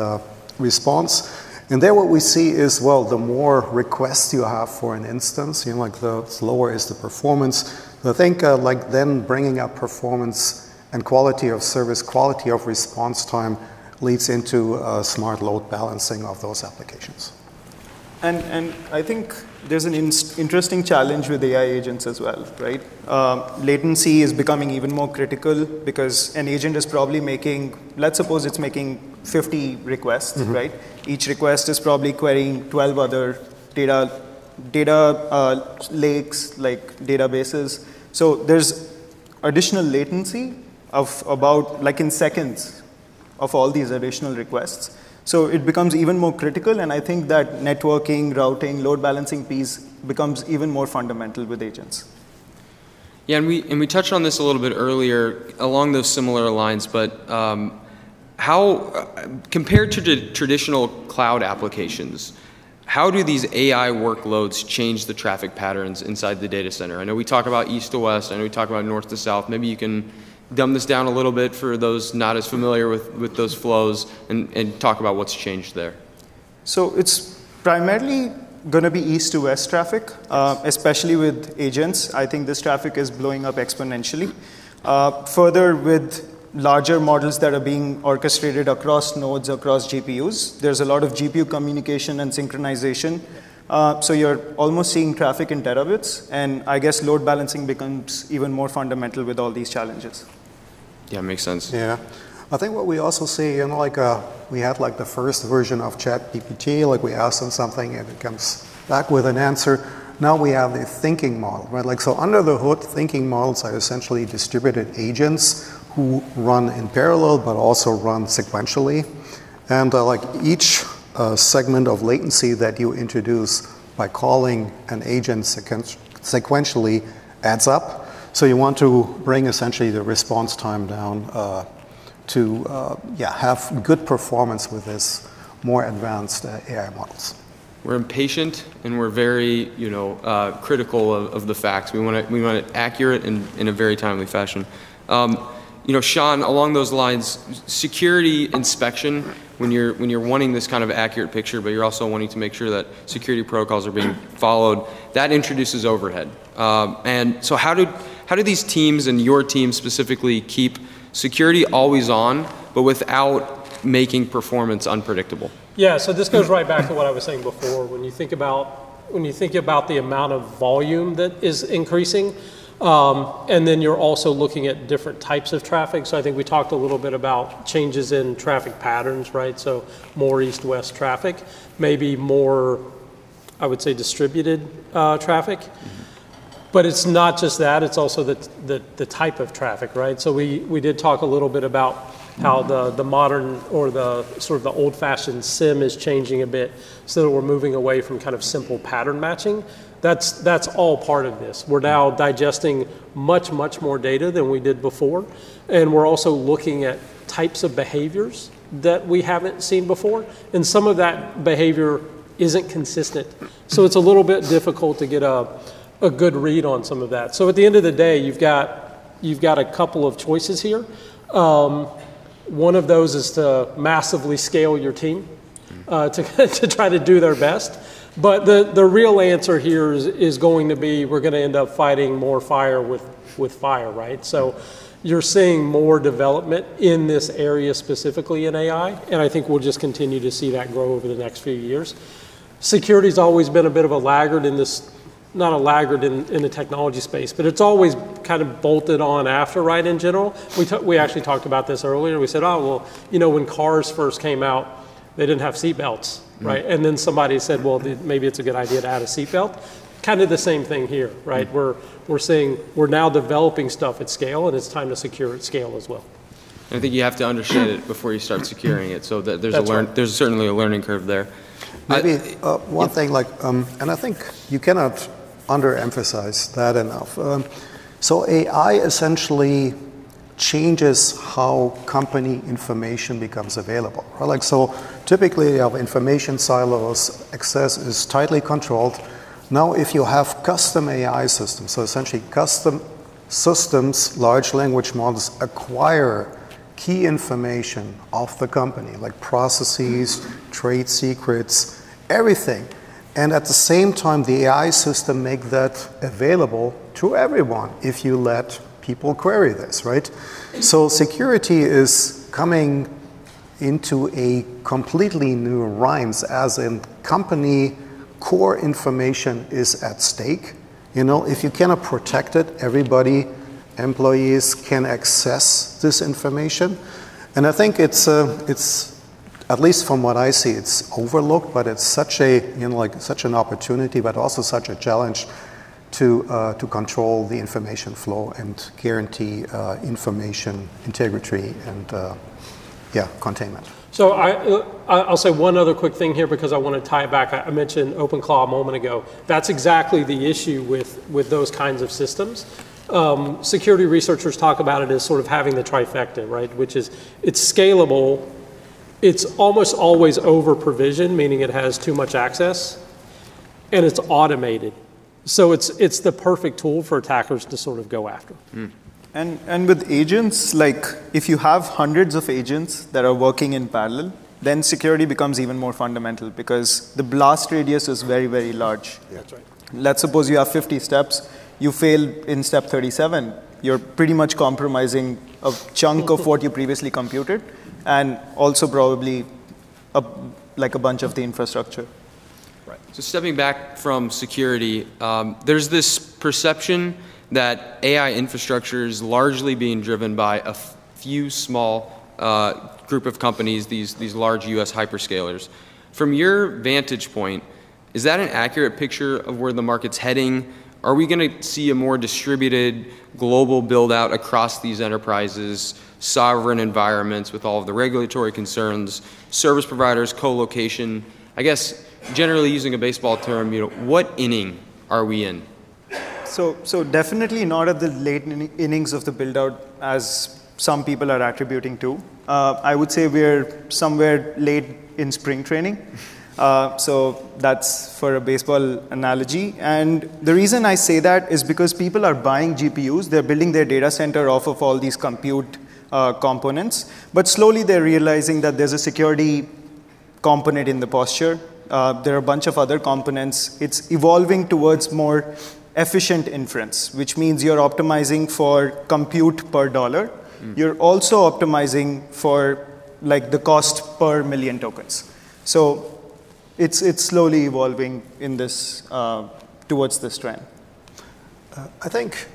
response. And there, what we see is, well, the more requests you have for an instance, you know, like, the slower is the performance. I think, like, then bringing up performance and quality of service, quality of response time, leads into smart load balancing of those applications. And I think there's an interesting challenge with AI agents as well, right? Latency is becoming even more critical because an agent is probably making... Let's suppose it's making 50 requests- Mm-hmm. -right? Each request is probably querying 12 other data lakes, like databases. So there's additional latency of about, like, in seconds, of all these additional requests, so it becomes even more critical, and I think that networking, routing, load balancing piece becomes even more fundamental with agents. Yeah, and we touched on this a little bit earlier, along those similar lines, but how, compared to the traditional cloud applications, how do these AI workloads change the traffic patterns inside the data center? I know we talk about east to west, I know we talk about north to south. Maybe you can dumb this down a little bit for those not as familiar with those flows and talk about what's changed there. It's primarily gonna be east-west traffic, especially with agents. I think this traffic is blowing up exponentially. Further, with larger models that are being orchestrated across nodes, across GPUs, there's a lot of GPU communication and synchronization. So you're almost seeing traffic in terabits, and I guess load balancing becomes even more fundamental with all these challenges. Yeah, makes sense. Yeah. I think what we also see, you know, like, we had, like, the first version of ChatGPT, like, we ask them something, and it comes back with an answer. Now, we have a thinking model, right? Like, so under the hood, thinking models are essentially distributed agents who run in parallel but also run sequentially. And, like, each segment of latency that you introduce by calling an agent sequentially adds up, so you want to bring essentially the response time down, to, yeah, have good performance with this more advanced AI models. We're impatient, and we're very, you know, critical of, of the facts. We want it, we want it accurate in, in a very timely fashion. You know, Sean, along those lines, security inspection, when you're, when you're wanting this kind of accurate picture, but you're also wanting to make sure that security protocols are being followed, that introduces overhead. And so how do, how do these teams and your team specifically keep security always on, but without making performance unpredictable? Yeah, so this goes right back to what I was saying before. When you think about the amount of volume that is increasing, and then you're also looking at different types of traffic. I think we talked a little bit about changes in traffic patterns, right? More east-west traffic, maybe more, I would say, distributed traffic... But it's not just that, it's also the type of traffic, right? We did talk a little bit about how the modern or the sort of the old-fashioned SIEM is changing a bit, so that we're moving away from kind of simple pattern matching. That's all part of this. We're now digesting much more data than we did before, and we're also looking at types of behaviors that we haven't seen before, and some of that behavior isn't consistent. So it's a little bit difficult to get a good read on some of that. So at the end of the day, you've got a couple of choices here. One of those is to massively scale your team to try to do their best. But the real answer here is going to be, we're gonna end up fighting more fire with fire, right? So you're seeing more development in this area, specifically in AI, and I think we'll just continue to see that grow over the next few years. Security's always been a bit of a laggard in this. Not a laggard in the technology space, but it's always kind of bolted on after, right, in general. We actually talked about this earlier. We said, "Oh, well, you know, when cars first came out, they didn't have seat belts," right? Mm-hmm. And then somebody said, "Well, the, maybe it's a good idea to add a seat belt." Kind of the same thing here, right? Mm-hmm. We're saying we're now developing stuff at scale, and it's time to secure at scale as well. I think you have to understand it before you start securing it, so the- That's right. There's certainly a learning curve there. I- Maybe, one thing, like, and I think you cannot underemphasize that enough. So AI essentially changes how company information becomes available, right? Like so, typically, you have information silos, access is tightly controlled. Now, if you have custom AI systems, so essentially custom systems, large language models, acquire key information of the company, like processes, trade secrets, everything, and at the same time, the AI system make that available to everyone if you let people query this, right? So security is coming into a completely new realms, as in company core information is at stake. You know, if you cannot protect it, everybody, employees, can access this information. And I think it's at least from what I see, it's overlooked, but it's such a, you know, like, such an opportunity, but also such a challenge to control the information flow and guarantee information integrity, and yeah, containment. So I'll say one other quick thing here because I wanna tie it back. I mentioned OpenClaw a moment ago. That's exactly the issue with those kinds of systems. Security researchers talk about it as sort of having the trifecta, right? Which is, it's scalable, it's almost always overprovision, meaning it has too much access, and it's automated. So it's the perfect tool for attackers to sort of go after. Mm-hmm. And with agents, like, if you have hundreds of agents that are working in parallel, then security becomes even more fundamental because the blast radius is very, very large. Yeah, that's right. Let's suppose you have 50 steps. You fail in Step 37, you're pretty much compromising a chunk of what you previously computed, and also probably a, like, a bunch of the infrastructure. Right. So stepping back from security, there's this perception that AI infrastructure is largely being driven by a few small group of companies, these large U.S. hyperscalers. From your vantage point, is that an accurate picture of where the market's heading? Are we gonna see a more distributed global build-out across these enterprises, sovereign environments with all of the regulatory concerns, service providers, co-location? I guess, generally using a baseball term, you know, what inning are we in? So, definitely not at the late innings of the build-out, as some people are attributing to. I would say we're somewhere late in spring training. So that's for a baseball analogy. And the reason I say that is because people are buying GPUs, they're building their data center off of all these compute components, but slowly they're realizing that there's a security component in the posture. There are a bunch of other components. It's evolving towards more efficient inference, which means you're optimizing for compute per dollar. Mm-hmm. You're also optimizing for, like, the cost per million tokens. So it's, it's slowly evolving in this, towards this trend. I think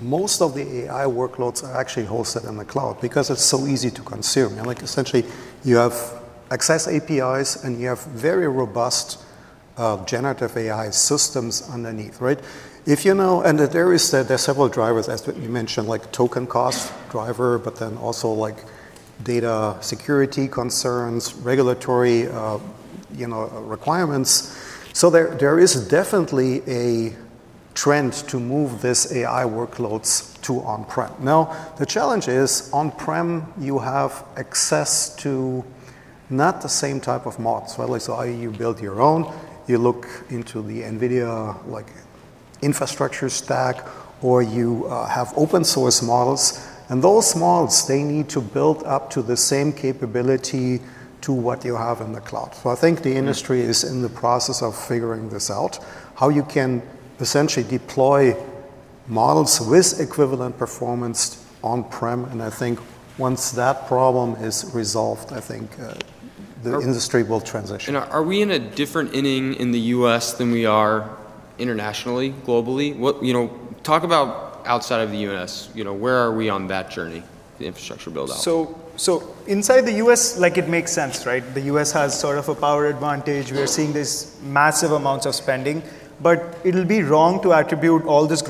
most of the AI workloads are actually hosted in the cloud because it's so easy to consume. And, like, essentially, you have access APIs, and you have very robust, generative AI systems underneath, right? And there are several drivers, as you mentioned, like token cost driver, but then also, like, data security concerns, regulatory, you know, requirements. So there is definitely a trend to move this AI workloads to on-prem. Now, the challenge is on-prem, you have access to not the same type of models, right? Like, so either you build your own, you look into the NVIDIA, like, infrastructure stack, or you have open-source models, and those models, they need to build up to the same capability to what you have in the cloud. So I think the industry- Mm-hmm... is in the process of figuring this out, how you can essentially deploy models with equivalent performance on-prem, and I think once that problem is resolved, I think, Or-... the industry will transition. Are we in a different inning in the U.S. than we are internationally, globally? What, you know, talk about outside of the U.S., you know, where are we on that journey, the infrastructure build-out? So, inside the U.S., like, it makes sense, right? The U.S. has sort of a power advantage. We are seeing these massive amounts of spending. But it'll be wrong to attribute all this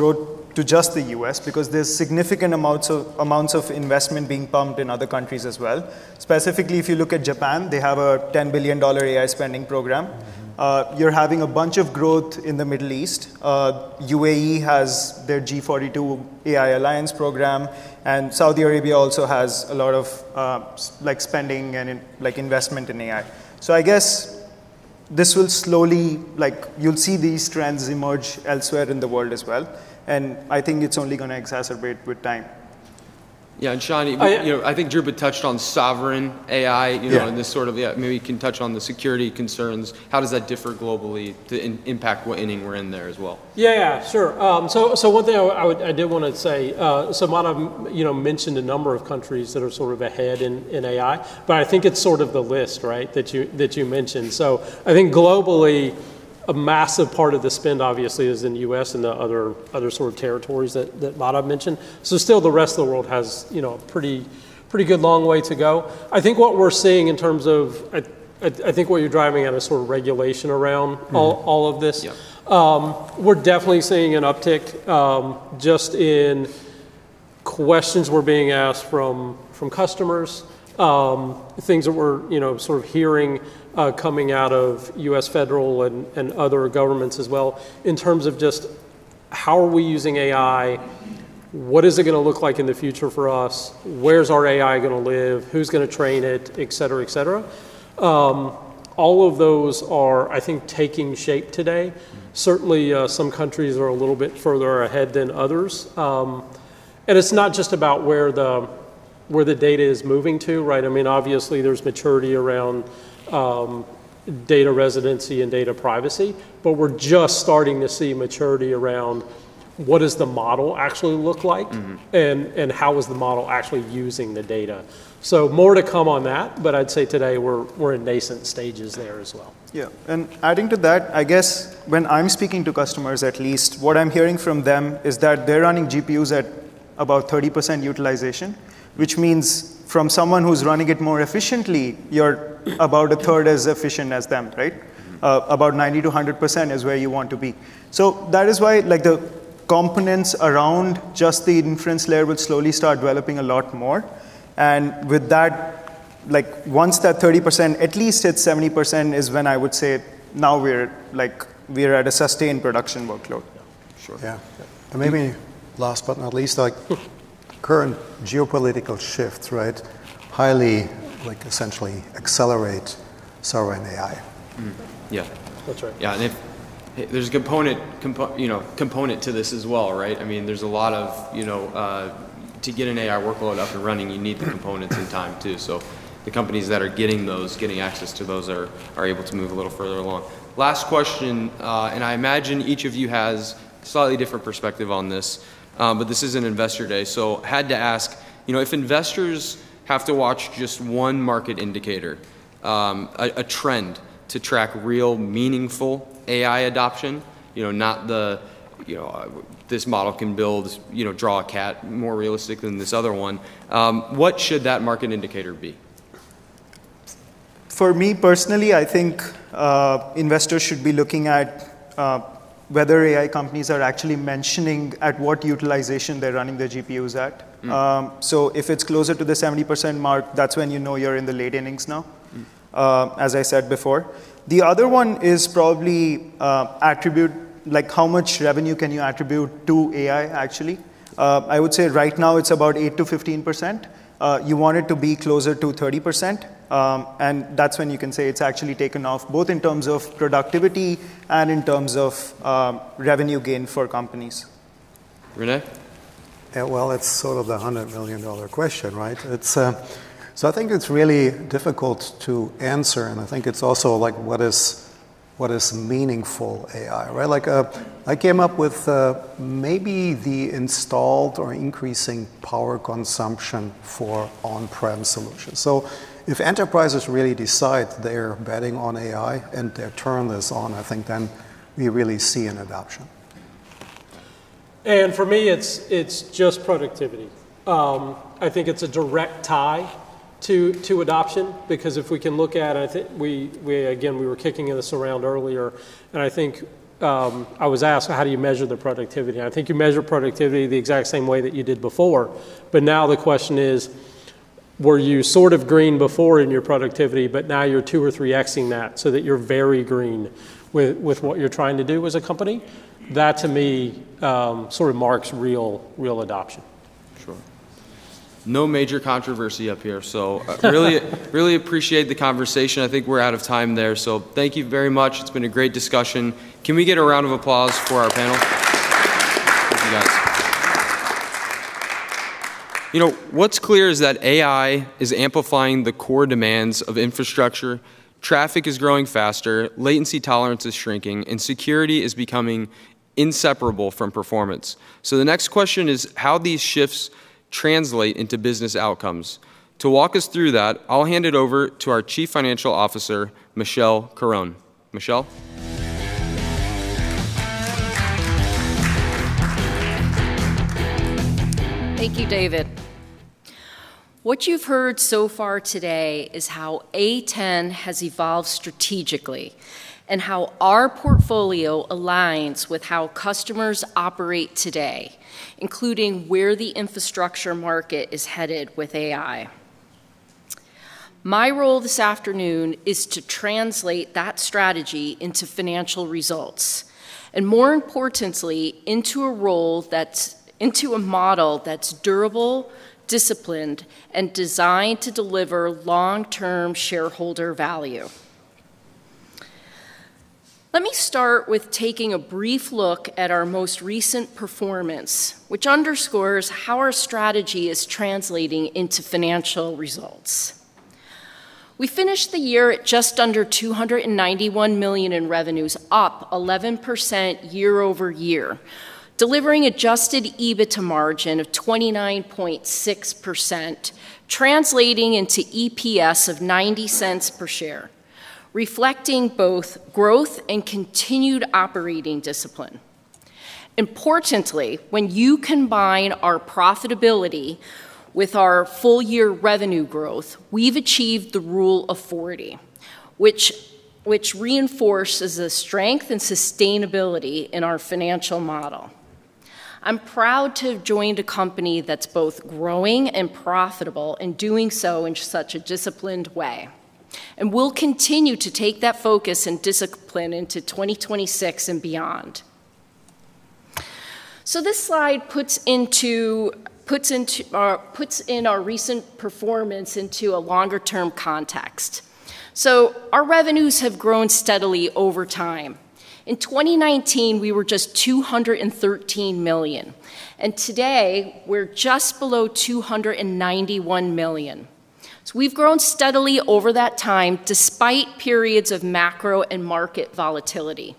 growth to just the U.S., because there's significant amounts of investment being pumped in other countries as well. Specifically, if you look at Japan, they have a $10 billion AI spending program. Mm-hmm. You're having a bunch of growth in the Middle East. UAE has their G42 AI Alliance program, and Saudi Arabia also has a lot of, like, spending and like, investment in AI. So I guess this will slowly... Like, you'll see these trends emerge elsewhere in the world as well, and I think it's only gonna exacerbate with time. Yeah, and Sean- I, uh- You know, I think Dhrupad touched on sovereign AI, you know. Yeah... and maybe you can touch on the security concerns. How does that differ globally, the impact what inning we're in there as well? Yeah, yeah, sure. So, so one thing I did wanna say, so Madhav, you know, mentioned a number of countries that are sort of ahead in AI, but I think it's sort of the list, right? That you mentioned. So I think globally, a massive part of the spend, obviously, is in the U.S. and the other sort of territories that Madhav mentioned. So still, the rest of the world has, you know, a pretty good long way to go. I think what we're seeing in terms of... I think what you're driving at is sort of regulation around- Mm-hmm... all of this. Yeah. We're definitely seeing an uptick, just in questions we're being asked from customers, things that we're, you know, sort of hearing, coming out of U.S. federal and other governments as well, in terms of just: How are we using AI? What is it gonna look like in the future for us? Where's our AI gonna live? Who's gonna train it? Et cetera, et cetera. All of those are, I think, taking shape today. Mm-hmm. Certainly, some countries are a little bit further ahead than others. And it's not just about where the data is moving to, right? I mean, obviously, there's maturity around data residency and data privacy, but we're just starting to see maturity around, what does the model actually look like? Mm-hmm. How is the model actually using the data? So more to come on that, but I'd say today we're in nascent stages there as well. Yeah, and adding to that, I guess when I'm speaking to customers, at least, what I'm hearing from them is that they're running GPUs at about 30% utilization, which means from someone who's running it more efficiently, you're about a third as efficient as them, right? Mm-hmm. About 90%-100% is where you want to be. So that is why, like, the components around just the inference layer will slowly start developing a lot more, and with that, like, once that 30% at least hits 70%, is when I would say now we're, like, we're at a sustained production workload. Yeah, sure. Yeah. Maybe last but not least, like, current geopolitical shifts, right? Highly, like, essentially accelerate sovereign AI. Mm-hmm. Yeah. That's right. Yeah, and there's a component, you know, component to this as well, right? I mean, there's a lot of, you know, to get an AI workload up and running, you need the components- Mm-hmm... and time, too. So the companies that are getting those, getting access to those, are able to move a little further along. Last question, and I imagine each of you has a slightly different perspective on this, but this is an investor day, so had to ask: You know, if investors have to watch just one market indicator, a trend to track real, meaningful AI adoption, you know, not the, you know, "This model can build, you know, draw a cat more realistic than this other one," what should that market indicator be? For me, personally, I think, investors should be looking at, whether AI companies are actually mentioning at what utilization they're running their GPUs at. Mm-hmm. If it's closer to the 70% mark, that's when you know you're in the late innings now. Mm-hmm. As I said before. The other one is probably attribute—like, how much revenue can you attribute to AI, actually? I would say right now it's about 8%-15%. You want it to be closer to 30%, and that's when you can say it's actually taken off, both in terms of productivity and in terms of revenue gain for companies. Rene? Yeah, well, it's sort of the $100 million question, right? It's, So I think it's really difficult to answer, and I think it's also, like, what is, what is meaningful AI, right? Like, I came up with, maybe the installed or increasing power consumption for on-prem solutions. So if enterprises really decide they're betting on AI, and they turn this on, I think then we really see an adoption. For me, it's just productivity. I think it's a direct tie to adoption because if we can look at—I think, again, we were kicking this around earlier, and I think I was asked, "Well, how do you measure the productivity?" I think you measure productivity the exact same way that you did before, but now the question is: Were you sort of green before in your productivity, but now you're two or 3-X'ing that so that you're very green with what you're trying to do as a company? That, to me, sort of marks real, real adoption. Sure. No major controversy up here, so really, really appreciate the conversation. I think we're out of time there, so thank you very much. It's been a great discussion. Can we get a round of applause for our panel? Thank you, guys. You know, what's clear is that AI is amplifying the core demands of infrastructure. Traffic is growing faster, latency tolerance is shrinking, and security is becoming inseparable from performance. So the next question is, how these shifts translate into business outcomes. To walk us through that, I'll hand it over to our Chief Financial Officer, Michelle Curran. Michelle? Thank you, David. What you've heard so far today is how A10 has evolved strategically, and how our portfolio aligns with how customers operate today, including where the infrastructure market is headed with AI. My role this afternoon is to translate that strategy into financial results, and more importantly, into a model that's durable, disciplined, and designed to deliver long-term shareholder value. Let me start with taking a brief look at our most recent performance, which underscores how our strategy is translating into financial results. We finished the year at just under $291 million in revenues, up 11% year-over-year, delivering Adjusted EBITDA margin of 29.6%, translating into EPS of $0.90 per share, reflecting both growth and continued operating discipline. Importantly, when you combine our profitability with our full-year revenue growth, we've achieved the Rule of Forty, which reinforces the strength and sustainability in our financial model. I'm proud to have joined a company that's both growing and profitable, and doing so in such a disciplined way. We'll continue to take that focus and discipline into 2026 and beyond. This slide puts our recent performance into a longer-term context. Our revenues have grown steadily over time. In 2019, we were just $213 million, and today, we're just below $291 million. We've grown steadily over that time, despite periods of macro and market volatility.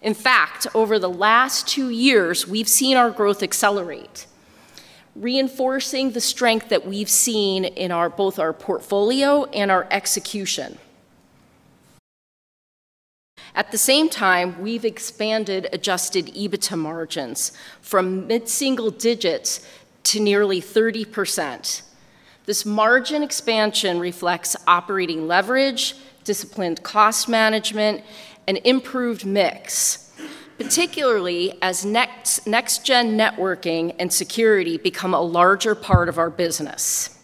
In fact, over the last two years, we've seen our growth accelerate, reinforcing the strength that we've seen in both our portfolio and our execution. At the same time, we've expanded Adjusted EBITDA margins from mid-single digits to nearly 30%. This margin expansion reflects operating leverage, disciplined cost management, and improved mix, particularly as next, next-gen networking and security become a larger part of our business.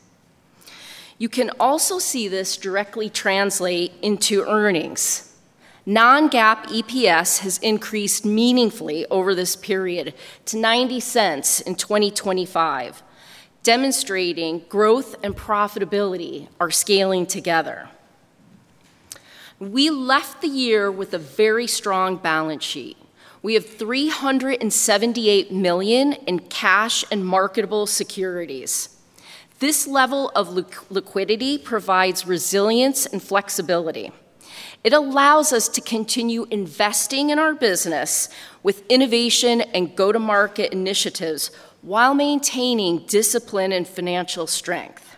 You can also see this directly translate into earnings. Non-GAAP EPS has increased meaningfully over this period to $0.90 in 2025, demonstrating growth and profitability are scaling together. We left the year with a very strong balance sheet. We have $378 million in cash and marketable securities. This level of liquidity provides resilience and flexibility. It allows us to continue investing in our business with innovation and go-to-market initiatives, while maintaining discipline and financial strength.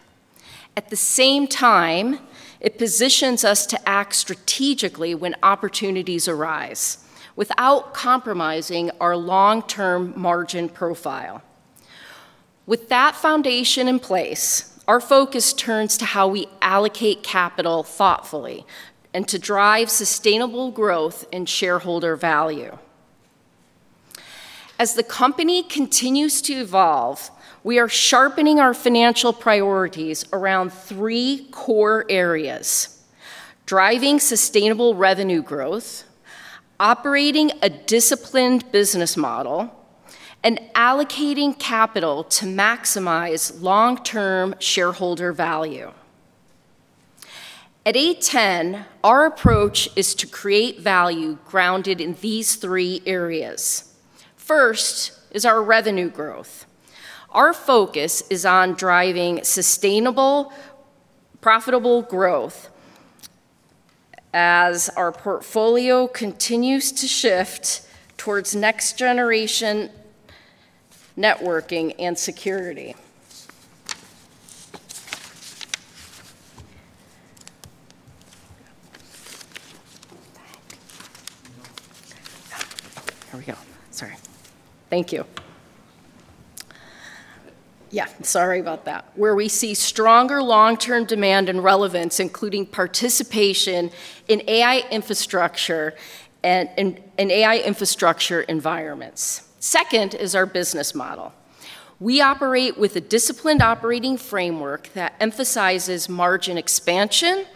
At the same time, it positions us to act strategically when opportunities arise, without compromising our long-term margin profile. With that foundation in place, our focus turns to how we allocate capital thoughtfully and to drive sustainable growth and shareholder value. As the company continues to evolve, we are sharpening our financial priorities around three core areas: driving sustainable revenue growth, operating a disciplined business model, and allocating capital to maximize long-term shareholder value. At A10, our approach is to create value grounded in these three areas. First is our revenue growth. Our focus is on driving sustainable, profitable growth as our portfolio continues to shift towards next-generation networking and security. Here we go. Sorry. Thank you. Yeah, sorry about that. Where we see stronger long-term demand and relevance, including participation in AI infrastructure and in AI infrastructure environments. Second is our business model. We operate with a disciplined operating framework that emphasizes margin expansion,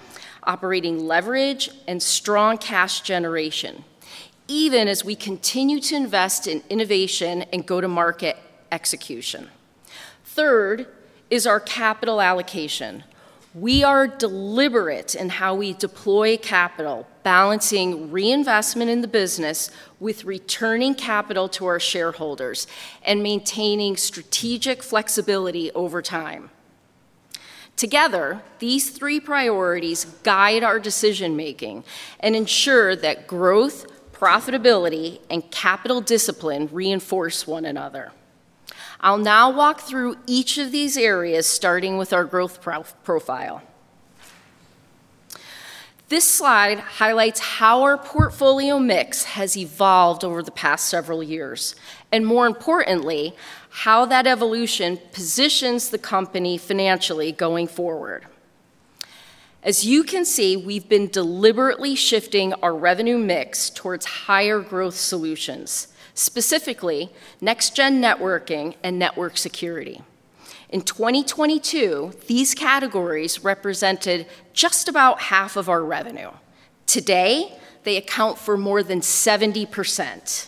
operating leverage, and strong cash generation, even as we continue to invest in innovation and go-to-market execution. Third is our capital allocation. We are deliberate in how we deploy capital, balancing reinvestment in the business with returning capital to our shareholders and maintaining strategic flexibility over time.... Together, these three priorities guide our decision-making and ensure that growth, profitability, and capital discipline reinforce one another. I'll now walk through each of these areas, starting with our growth profile. This slide highlights how our portfolio mix has evolved over the past several years, and more importantly, how that evolution positions the company financially going forward. As you can see, we've been deliberately shifting our revenue mix towards higher growth solutions, specifically next-gen networking and network security. In 2022, these categories represented just about half of our revenue. Today, they account for more than 70%.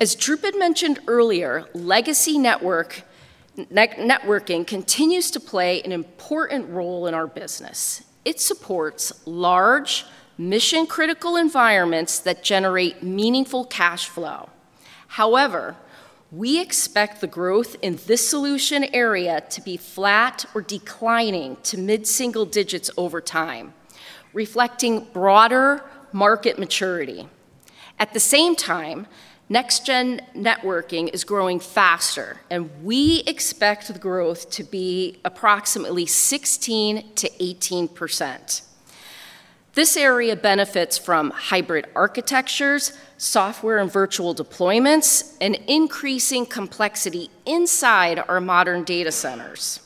As Dhrupad mentioned earlier, legacy networking continues to play an important role in our business. It supports large, mission-critical environments that generate meaningful cash flow. However, we expect the growth in this solution area to be flat or declining to mid-single digits over time, reflecting broader market maturity. At the same time, next-gen networking is growing faster, and we expect the growth to be approximately 16%-18%. This area benefits from hybrid architectures, software and virtual deployments, and increasing complexity inside our modern data centers.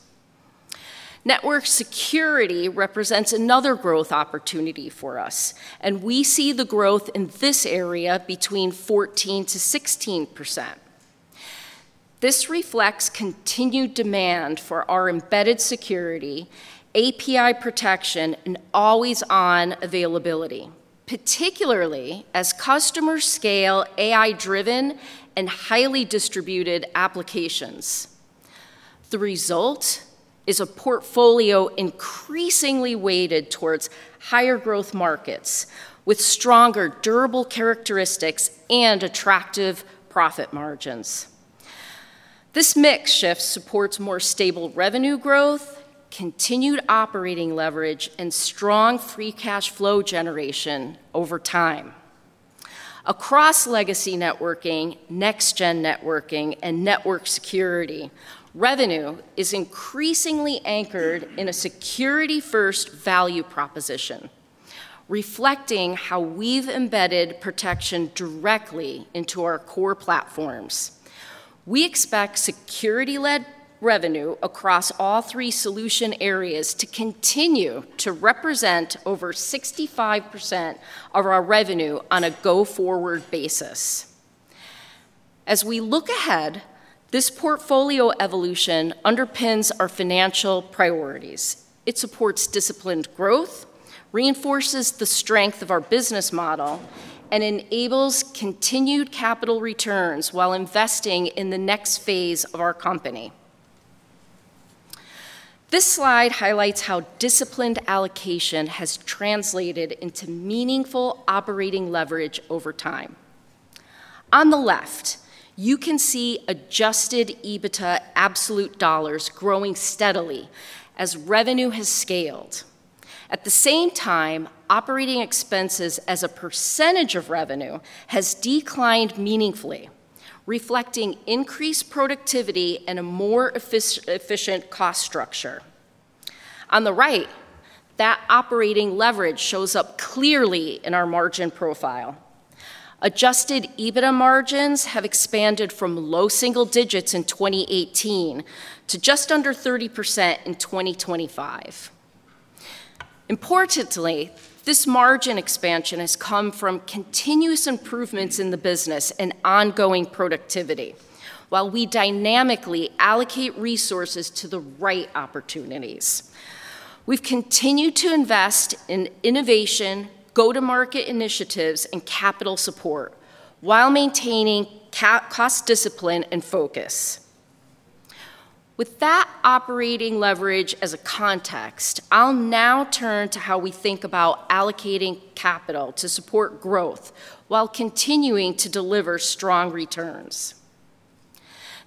Network security represents another growth opportunity for us, and we see the growth in this area between 14%-16%. This reflects continued demand for our embedded security, API protection, and always-on availability, particularly as customers scale AI-driven and highly distributed applications. The result is a portfolio increasingly weighted towards higher growth markets, with stronger, durable characteristics and attractive profit margins. This mix shift supports more stable revenue growth, continued operating leverage, and strong free cash flow generation over time. Across legacy networking, next-gen networking, and network security, revenue is increasingly anchored in a security-first value proposition, reflecting how we've embedded protection directly into our core platforms. We expect security-led revenue across all three solution areas to continue to represent over 65% of our revenue on a go-forward basis. As we look ahead, this portfolio evolution underpins our financial priorities. It supports disciplined growth, reinforces the strength of our business model, and enables continued capital returns while investing in the next phase of our company. This slide highlights how disciplined allocation has translated into meaningful operating leverage over time. On the left, you can see Adjusted EBITDA absolute dollars growing steadily as revenue has scaled. At the same time, operating expenses as a percentage of revenue has declined meaningfully, reflecting increased productivity and a more efficient cost structure. On the right, that operating leverage shows up clearly in our margin profile. Adjusted EBITDA margins have expanded from low single digits in 2018 to just under 30% in 2025. Importantly, this margin expansion has come from continuous improvements in the business and ongoing productivity, while we dynamically allocate resources to the right opportunities. We've continued to invest in innovation, go-to-market initiatives, and capital support while maintaining cost discipline and focus. With that operating leverage as a context, I'll now turn to how we think about allocating capital to support growth while continuing to deliver strong returns.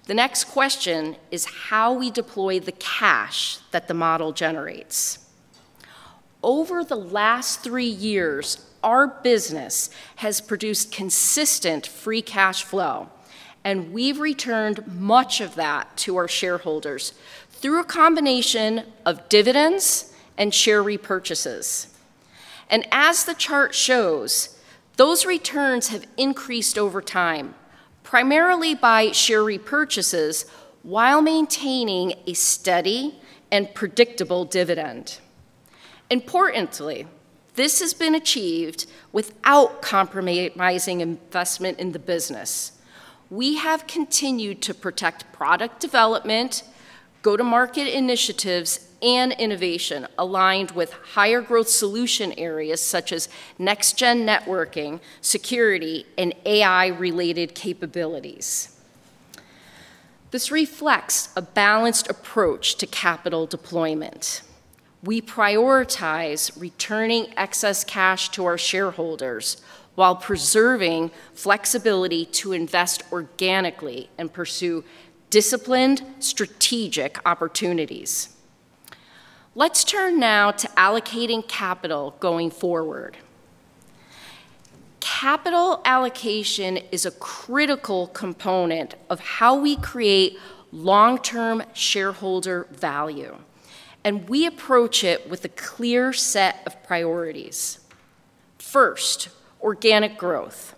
The next question is how we deploy the cash that the model generates. Over the last 3 years, our business has produced consistent free cash flow, and we've returned much of that to our shareholders through a combination of dividends and share repurchases. As the chart shows, those returns have increased over time, primarily by share repurchases, while maintaining a steady and predictable dividend. Importantly, this has been achieved without compromising investment in the business. We have continued to protect product development, go-to-market initiatives, and innovation aligned with higher growth solution areas such as next-gen networking, security, and AI-related capabilities. This reflects a balanced approach to capital deployment. We prioritize returning excess cash to our shareholders while preserving flexibility to invest organically and pursue disciplined, strategic opportunities. Let's turn now to allocating capital going forward. Capital allocation is a critical component of how we create long-term shareholder value, and we approach it with a clear set of priorities. First, organic growth.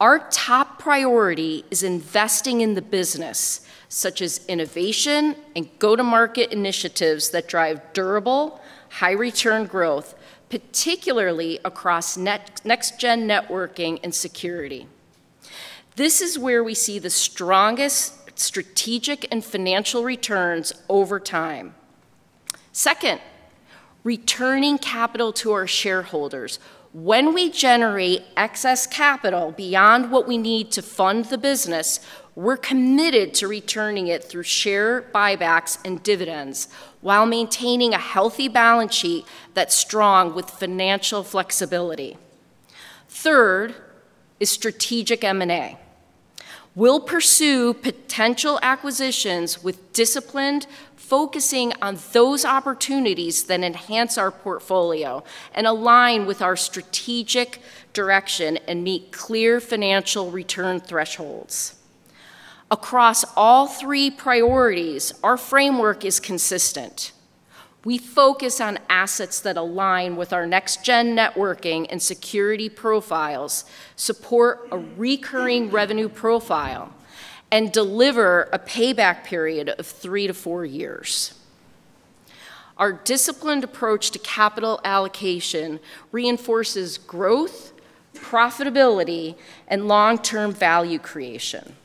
Our top priority is investing in the business, such as innovation and go-to-market initiatives that drive durable, high-return growth, particularly across next-gen networking and security. This is where we see the strongest strategic and financial returns over time. Second, returning capital to our shareholders. When we generate excess capital beyond what we need to fund the business, we're committed to returning it through share buybacks and dividends while maintaining a healthy balance sheet that's strong with financial flexibility. Third is strategic M&A. We'll pursue potential acquisitions with disciplined, focusing on those opportunities that enhance our portfolio and align with our strategic direction and meet clear financial return thresholds. Across all three priorities, our framework is consistent. We focus on assets that align with our next-gen networking and security profiles, support a recurring revenue profile, and deliver a payback period of three to four years. Our disciplined approach to capital allocation reinforces growth, profitability, and long-term value creation.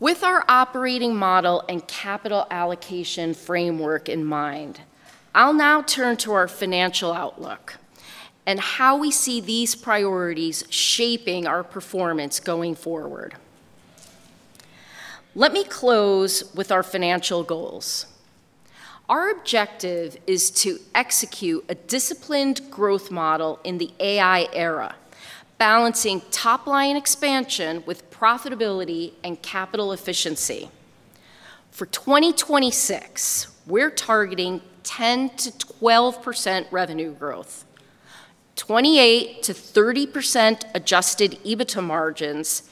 With our operating model and capital allocation framework in mind, I'll now turn to our financial outlook and how we see these priorities shaping our performance going forward. Let me close with our financial goals. Our objective is to execute a disciplined growth model in the AI era, balancing top-line expansion with profitability and capital efficiency. For 2026, we're targeting 10%-12% revenue growth, 28%-30% Adjusted EBITDA margins,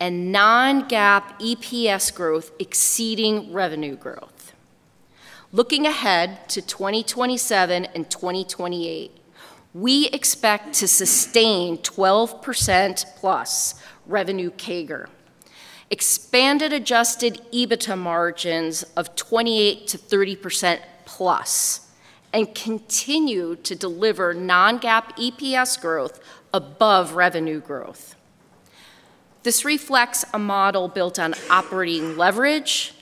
and non-GAAP EPS growth exceeding revenue growth. Looking ahead to 2027 and 2028, we expect to sustain 12%+ revenue CAGR, expanded Adjusted EBITDA margins of 28%-30%+, and continue to deliver non-GAAP EPS growth above revenue growth. This reflects a model built on operating leverage,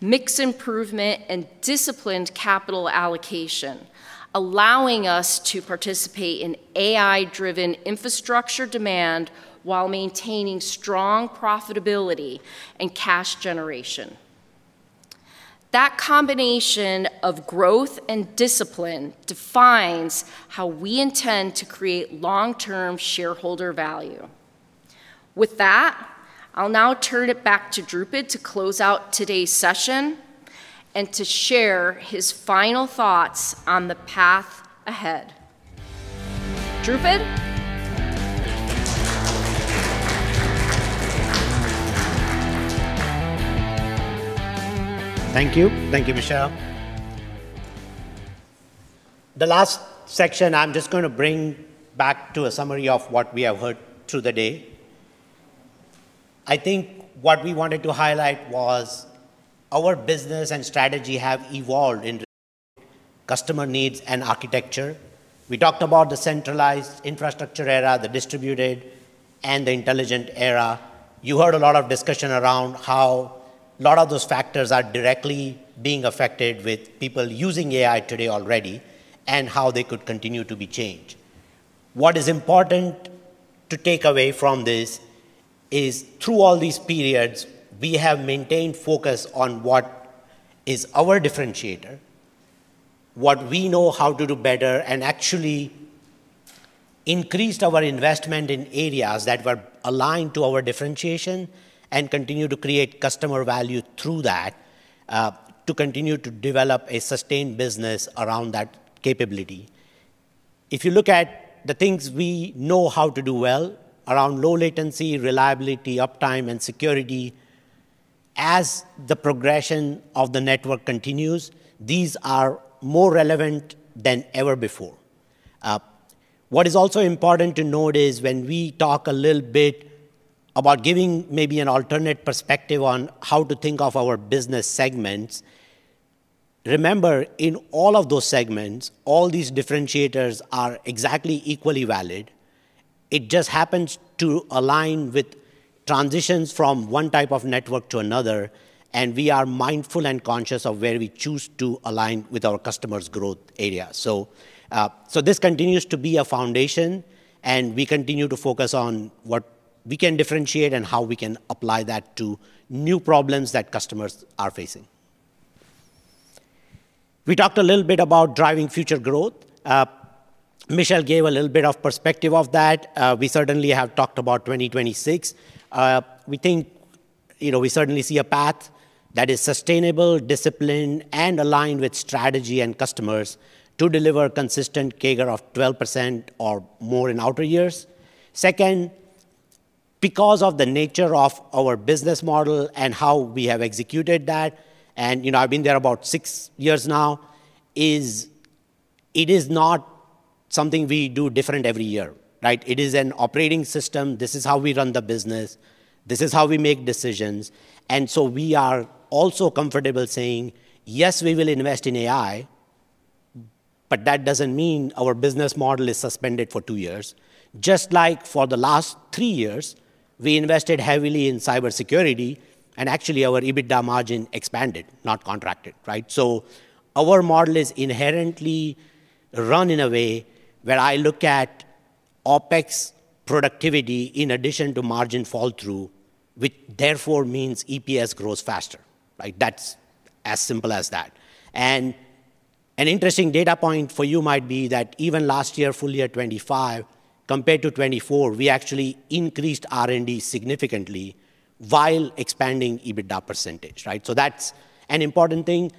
mix improvement, and disciplined capital allocation, allowing us to participate in AI-driven infrastructure demand while maintaining strong profitability and cash generation. That combination of growth and discipline defines how we intend to create long-term shareholder value. With that, I'll now turn it back to Dhrupad to close out today's session and to share his final thoughts on the path ahead. Dhrupad? Thank you. Thank you, Michelle. The last section, I'm just gonna bring back to a summary of what we have heard through the day. I think what we wanted to highlight was our business and strategy have evolved into customer needs and architecture. We talked about the centralized infrastructure era, the distributed, and the intelligent era. You heard a lot of discussion around how a lot of those factors are directly being affected with people using AI today already, and how they could continue to be changed. What is important to take away from this is, through all these periods, we have maintained focus on what is our differentiator, what we know how to do better, and actually increased our investment in areas that were aligned to our differentiation, and continue to create customer value through that, to continue to develop a sustained business around that capability. If you look at the things we know how to do well around low latency, reliability, uptime, and security, as the progression of the network continues, these are more relevant than ever before. What is also important to note is when we talk a little bit about giving maybe an alternate perspective on how to think of our business segments, remember, in all of those segments, all these differentiators are exactly equally valid. It just happens to align with transitions from one type of network to another, and we are mindful and conscious of where we choose to align with our customers' growth area. So, so this continues to be a foundation, and we continue to focus on what we can differentiate and how we can apply that to new problems that customers are facing. We talked a little bit about driving future growth. Michelle gave a little bit of perspective of that. We certainly have talked about 2026. We think, you know, we certainly see a path that is sustainable, disciplined, and aligned with strategy and customers to deliver consistent CAGR of 12% or more in outer years. Second, because of the nature of our business model and how we have executed that, and, you know, I've been there about six years now, is it is not something we do different every year, right? It is an operating system. This is how we run the business. This is how we make decisions. And so we are also comfortable saying, "Yes, we will invest in AI," but that doesn't mean our business model is suspended for two years. Just like for the last three years, we invested heavily in cybersecurity, and actually, our EBITDA margin expanded, not contracted, right? So our model is inherently run in a way where I look at OpEx productivity in addition to margin fall-through, which therefore means EPS grows faster. Like, that's as simple as that. And an interesting data point for you might be that even last year, full year 2025, compared to 2024, we actually increased R&D significantly while expanding EBITDA percentage, right? So that's an important thing.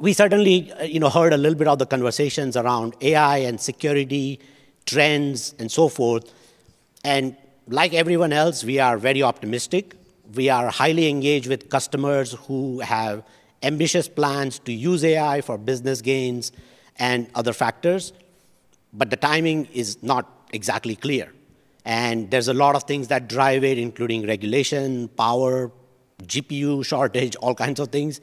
We certainly, you know, heard a little bit of the conversations around AI and security trends and so forth. And like everyone else, we are very optimistic. We are highly engaged with customers who have ambitious plans to use AI for business gains and other factors, but the timing is not exactly clear, and there's a lot of things that drive it, including regulation, power, GPU shortage, all kinds of things.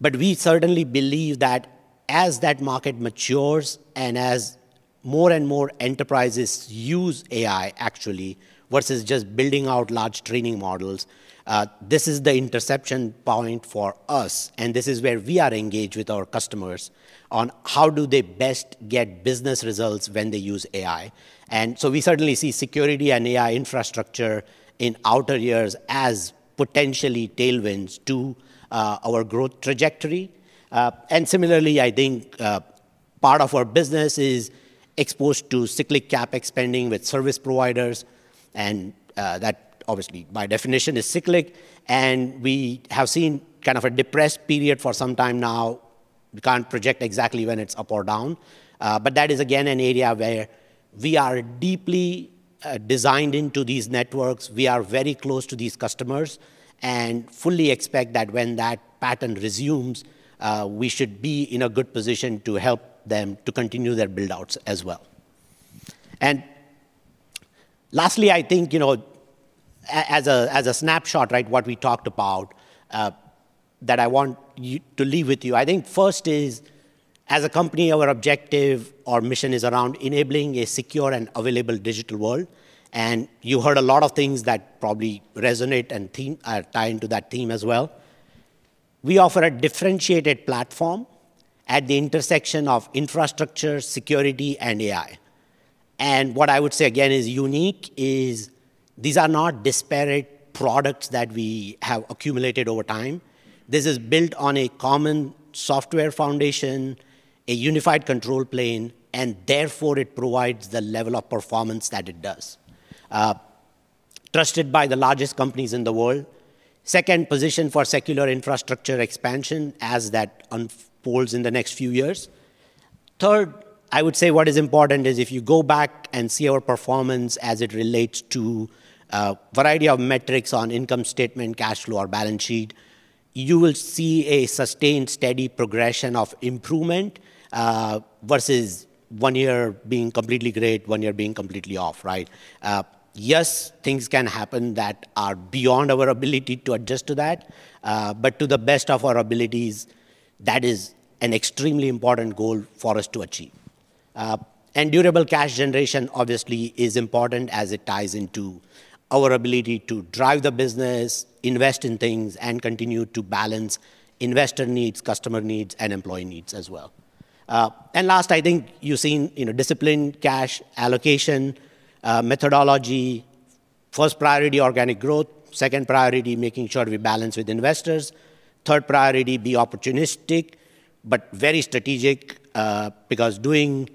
We certainly believe that as that market matures and as more and more enterprises use AI actually, versus just building out large training models, this is the inflection point for us, and this is where we are engaged with our customers on how they best get business results when they use AI. So we certainly see security and AI infrastructure in out years as potentially tailwinds to our growth trajectory. Similarly, I think part of our business is exposed to cyclic CapEx spending with service providers, and that obviously, by definition, is cyclic, and we have seen kind of a depressed period for some time now. We can't project exactly when it's up or down, but that is, again, an area where we are deeply designed into these networks. We are very close to these customers and fully expect that when that pattern resumes, we should be in a good position to help them to continue their build-outs as well. And lastly, I think, you know, as a snapshot, right, what we talked about, that I want you to leave with you. I think first is, as a company, our objective, our mission is around enabling a secure and available digital world, and you heard a lot of things that probably resonate and theme, tie into that theme as well. We offer a differentiated platform at the intersection of infrastructure, security, and AI. And what I would say again is unique is these are not disparate products that we have accumulated over time. This is built on a common software foundation, a unified control plane, and therefore it provides the level of performance that it does. Trusted by the largest companies in the world. Second position for secular infrastructure expansion as that unfolds in the next few years. Third, I would say what is important is if you go back and see our performance as it relates to a variety of metrics on income statement, cash flow, or balance sheet, you will see a sustained, steady progression of improvement versus one year being completely great, one year being completely off, right? Yes, things can happen that are beyond our ability to adjust to that, but to the best of our abilities, that is an extremely important goal for us to achieve. And durable cash generation obviously is important as it ties into our ability to drive the business, invest in things, and continue to balance investor needs, customer needs, and employee needs as well. And last, I think you've seen, you know, disciplined cash allocation, methodology. First priority, organic growth. Second priority, making sure we balance with investors. Third priority, be opportunistic but very strategic, because doing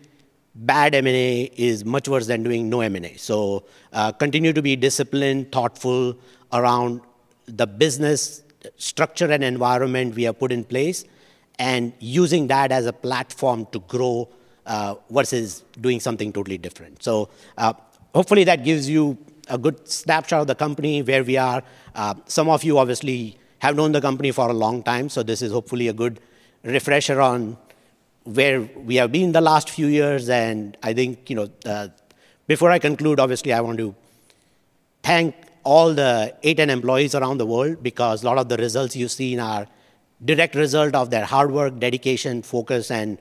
bad M&A is much worse than doing no M&A. So, continue to be disciplined, thoughtful around the business structure and environment we have put in place, and using that as a platform to grow, versus doing something totally different. So, hopefully, that gives you a good snapshot of the company, where we are. Some of you obviously have known the company for a long time, so this is hopefully a good refresher on where we have been the last few years. And I think, you know, before I conclude, obviously, I want to thank all the 8,000 employees around the world, because a lot of the results you've seen are a direct result of their hard work, dedication, focus, and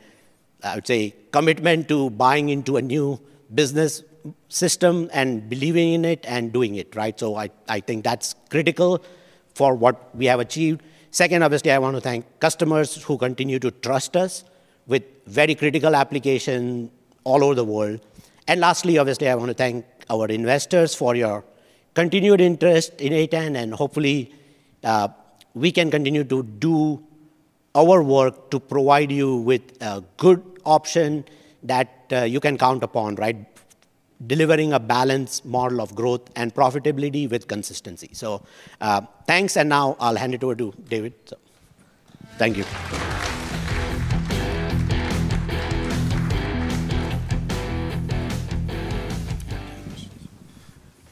I would say, commitment to buying into a new business system and believing in it and doing it, right? So I, I think that's critical for what we have achieved. Second, obviously, I want to thank customers who continue to trust us... with very critical application all over the world. Lastly, obviously, I want to thank our investors for your continued interest in A10, and hopefully, we can continue to do our work to provide you with a good option that you can count upon, right? Delivering a balanced model of growth and profitability with consistency. Thanks, and now I'll hand it over to David. Thank you.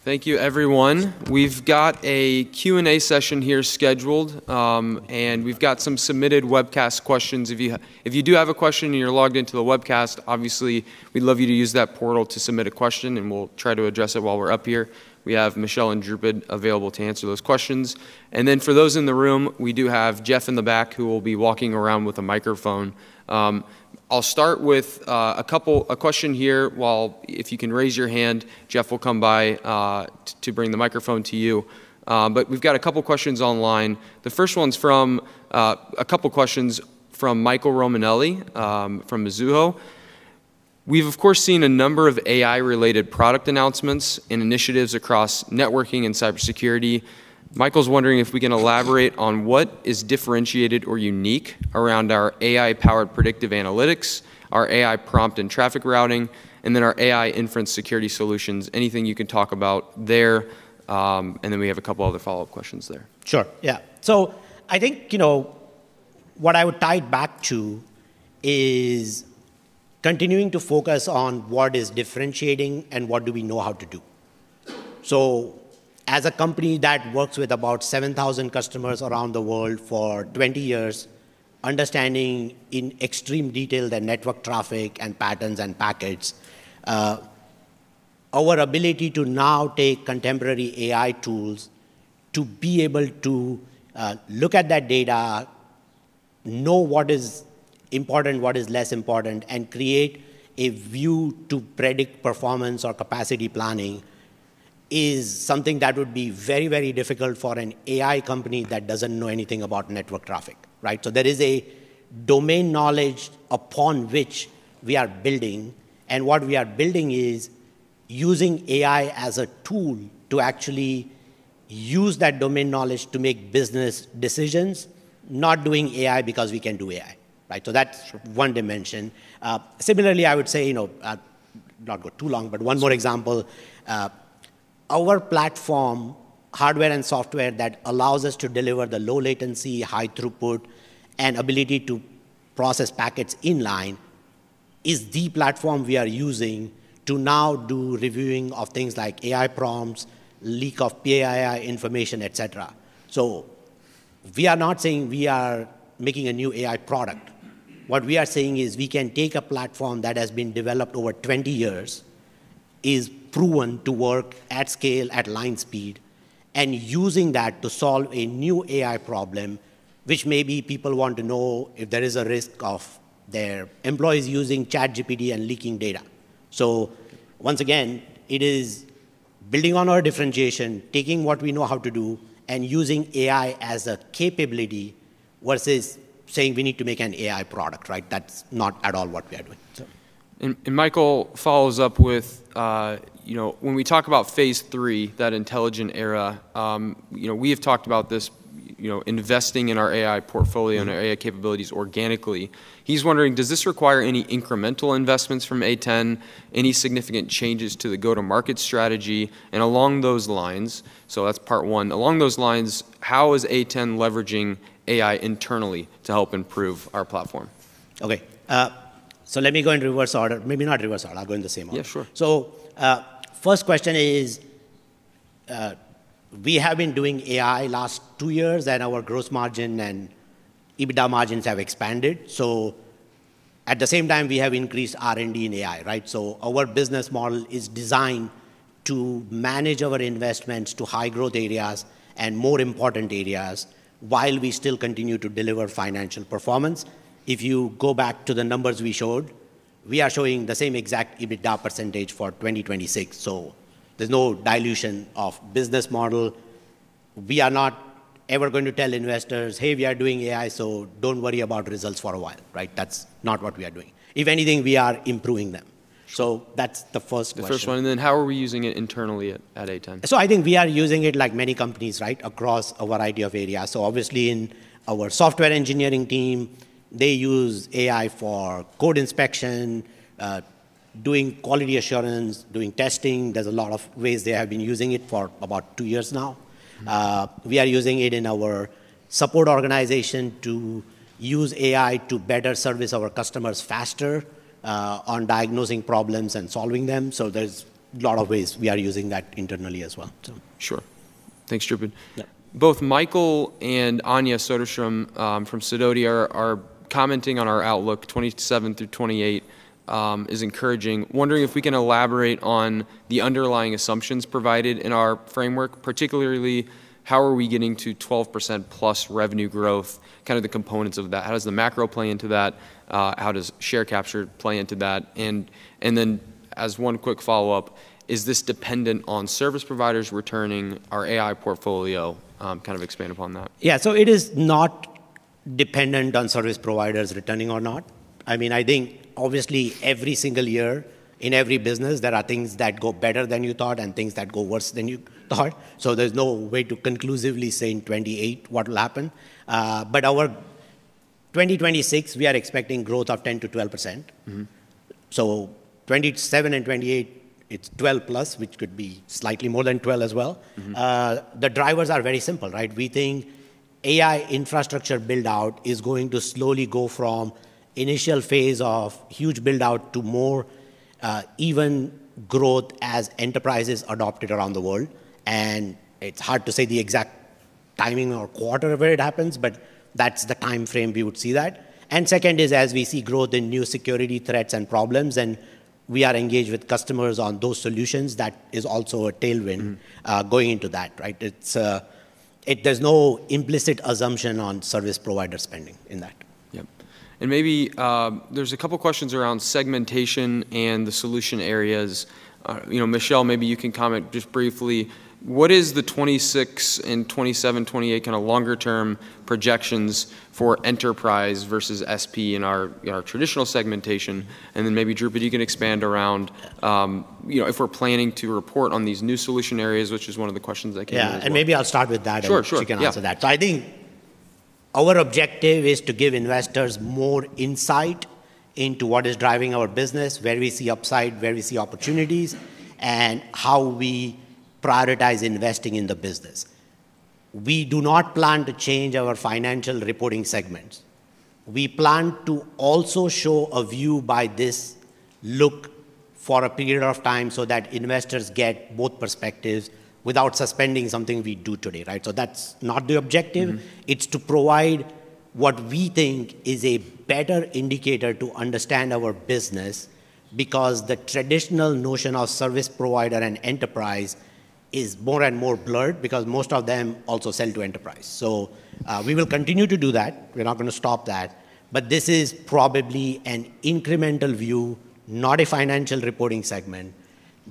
Thank you, everyone. We've got a Q&A session here scheduled, and we've got some submitted webcast questions. If you do have a question, and you're logged into the webcast, obviously, we'd love you to use that portal to submit a question, and we'll try to address it while we're up here. We have Michelle and Dhrupad available to answer those questions. And then for those in the room, we do have Jeff in the back, who will be walking around with a microphone. I'll start with a question here. While, if you can raise your hand, Jeff will come by to bring the microphone to you. But we've got a couple questions online. The first one's from a couple questions from Michael Romanelli from Mizuho. We've, of course, seen a number of AI-related product announcements and initiatives across networking and cybersecurity. Michael's wondering if we can elaborate on what is differentiated or unique around our AI-powered predictive analytics, our AI prompt and traffic routing, and then our AI inference security solutions. Anything you can talk about there, and then we have a couple other follow-up questions there. Sure, yeah. So I think, you know, what I would tie it back to is continuing to focus on what is differentiating and what do we know how to do. So as a company that works with about 7,000 customers around the world for 20 years, understanding in extreme detail the network traffic and patterns and packets, our ability to now take contemporary AI tools to be able to look at that data, know what is important, what is less important, and create a view to predict performance or capacity planning, is something that would be very, very difficult for an AI company that doesn't know anything about network traffic, right? So there is a domain knowledge upon which we are building, and what we are building is using AI as a tool to actually use that domain knowledge to make business decisions, not doing AI because we can do AI, right? So that's one dimension. Similarly, I would say, you know, not go too long, but one more example. Our platform, hardware and software, that allows us to deliver the low latency, high throughput, and ability to process packets in-line, is the platform we are using to now do reviewing of things like AI prompts, leak of PII information, et cetera. So we are not saying we are making a new AI product. What we are saying is we can take a platform that has been developed over 20 years, is proven to work at scale, at line speed, and using that to solve a new AI problem, which may be people want to know if there is a risk of their employees using ChatGPT and leaking data. So once again, it is building on our differentiation, taking what we know how to do, and using AI as a capability versus saying we need to make an AI product, right? That's not at all what we are doing. So... And Michael follows up with, you know, when we talk about phase three, that intelligent era, you know, we have talked about this, you know, investing in our AI portfolio. Mm-hmm. And our AI capabilities organically. He's wondering: Does this require any incremental investments from A10, any significant changes to the go-to-market strategy? And along those lines, so that's part one. Along those lines, how is A10 leveraging AI internally to help improve our platform? Okay, so let me go in reverse order. Maybe not reverse order. I'll go in the same order. Yeah, sure. So, first question is, we have been doing AI last two years, and our gross margin and EBITDA margins have expanded. So at the same time, we have increased R&D in AI, right? So our business model is designed to manage our investments to high-growth areas and more important areas, while we still continue to deliver financial performance. If you go back to the numbers we showed, we are showing the same exact EBITDA percentage for 2026, so there's no dilution of business model. We are not ever going to tell investors, "Hey, we are doing AI, so don't worry about results for a while," right? That's not what we are doing. If anything, we are improving them. So that's the first question. The first one, and then how are we using it internally at A10? I think we are using it like many companies, right? Across a variety of areas. Obviously, in our software engineering team, they use AI for code inspection, doing quality assurance, doing testing. There's a lot of ways they have been using it for about two years now. Mm-hmm. We are using it in our support organization to use AI to better service our customers faster on diagnosing problems and solving them. So there's a lot of ways we are using that internally as well. So... Sure. Thanks, Dhrupad. Yeah. Both Michael and Anja Soderstrom from Sidoti are, are commenting on our outlook. 2027 through 2028 is encouraging. Wondering if we can elaborate on the underlying assumptions provided in our framework, particularly, how are we getting to 12%+ revenue growth, kind of the components of that. How does the macro play into that? How does share capture play into that? And, and then as one quick follow-up, is this dependent on service providers returning our AI portfolio? Kind of expand upon that. Yeah. So it is not dependent on service providers returning or not? I mean, I think obviously every single year in every business, there are things that go better than you thought and things that go worse than you thought. So there's no way to conclusively say in 2028 what will happen. But our 2026, we are expecting growth of 10%-12%. Mm-hmm. 27 and 28, it's 12+, which could be slightly more than 12 as well. Mm-hmm. The drivers are very simple, right? We think AI infrastructure build-out is going to slowly go from initial phase of huge build-out to more, even growth as enterprises adopt it around the world, and it's hard to say the exact timing or quarter where it happens, but that's the timeframe we would see that. And second is, as we see growth in new security threats and problems, and we are engaged with customers on those solutions, that is also a tailwind- Mm-hmm... going into that, right? It's, there's no implicit assumption on service provider spending in that. Yep. And maybe, there's a couple questions around segmentation and the solution areas. You know, Michelle, maybe you can comment just briefly, what is the 2026 and 2027, 2028 kinda longer term projections for enterprise versus SP in our, in our traditional segmentation? And then maybe, Dhrupad, you can expand around, you know, if we're planning to report on these new solution areas, which is one of the questions that came in as well. Yeah, and maybe I'll start with that- Sure, sure. Michelle can answer that. Yeah. I think our objective is to give investors more insight into what is driving our business, where we see upside, where we see opportunities, and how we prioritize investing in the business. We do not plan to change our financial reporting segments. We plan to also show a view by this look for a period of time so that investors get both perspectives without suspending something we do today, right? That's not the objective. Mm-hmm. It's to provide what we think is a better indicator to understand our business, because the traditional notion of service provider and enterprise is more and more blurred, because most of them also sell to enterprise. So, we will continue to do that, we're not gonna stop that, but this is probably an incremental view, not a financial reporting segment,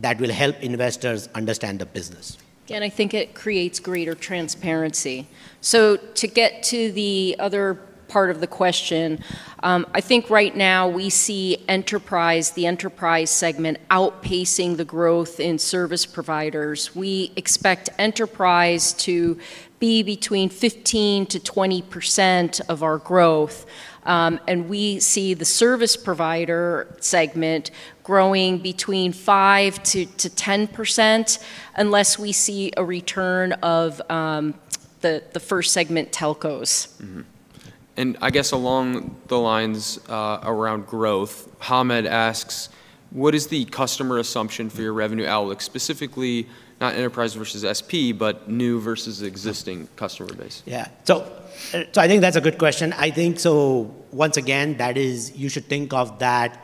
that will help investors understand the business. I think it creates greater transparency. So to get to the other part of the question, I think right now we see enterprise, the enterprise segment, outpacing the growth in service providers. We expect enterprise to be between 15%-20% of our growth, and we see the service provider segment growing between 5%-10%, unless we see a return of the first segment telcos. Mm-hmm. And I guess along the lines around growth, Hamed asks: what is the customer assumption for your revenue outlook, specifically, not enterprise versus SP, but new versus existing customer base? Yeah. So I think that's a good question. I think so, once again, that is... You should think of that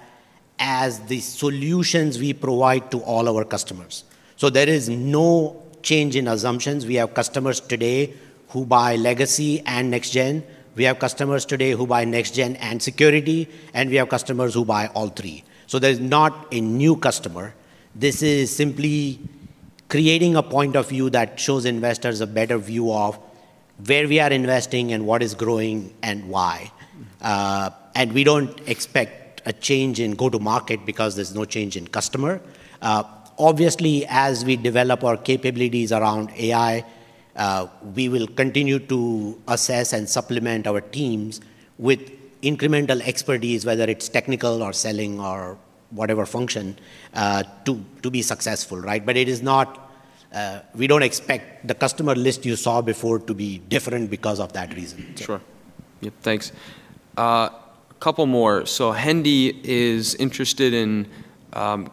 as the solutions we provide to all our customers. So there is no change in assumptions. We have customers today who buy legacy and next gen. We have customers today who buy next gen and security, and we have customers who buy all three. So there's not a new customer. This is simply creating a point of view that shows investors a better view of where we are investing and what is growing and why. And we don't expect a change in go-to-market because there's no change in customer. Obviously, as we develop our capabilities around AI, we will continue to assess and supplement our teams with incremental expertise, whether it's technical or selling or whatever function, to be successful, right? But it is not, we don't expect the customer list you saw before to be different because of that reason. Sure. Yep, thanks. A couple more. So Hendi is interested in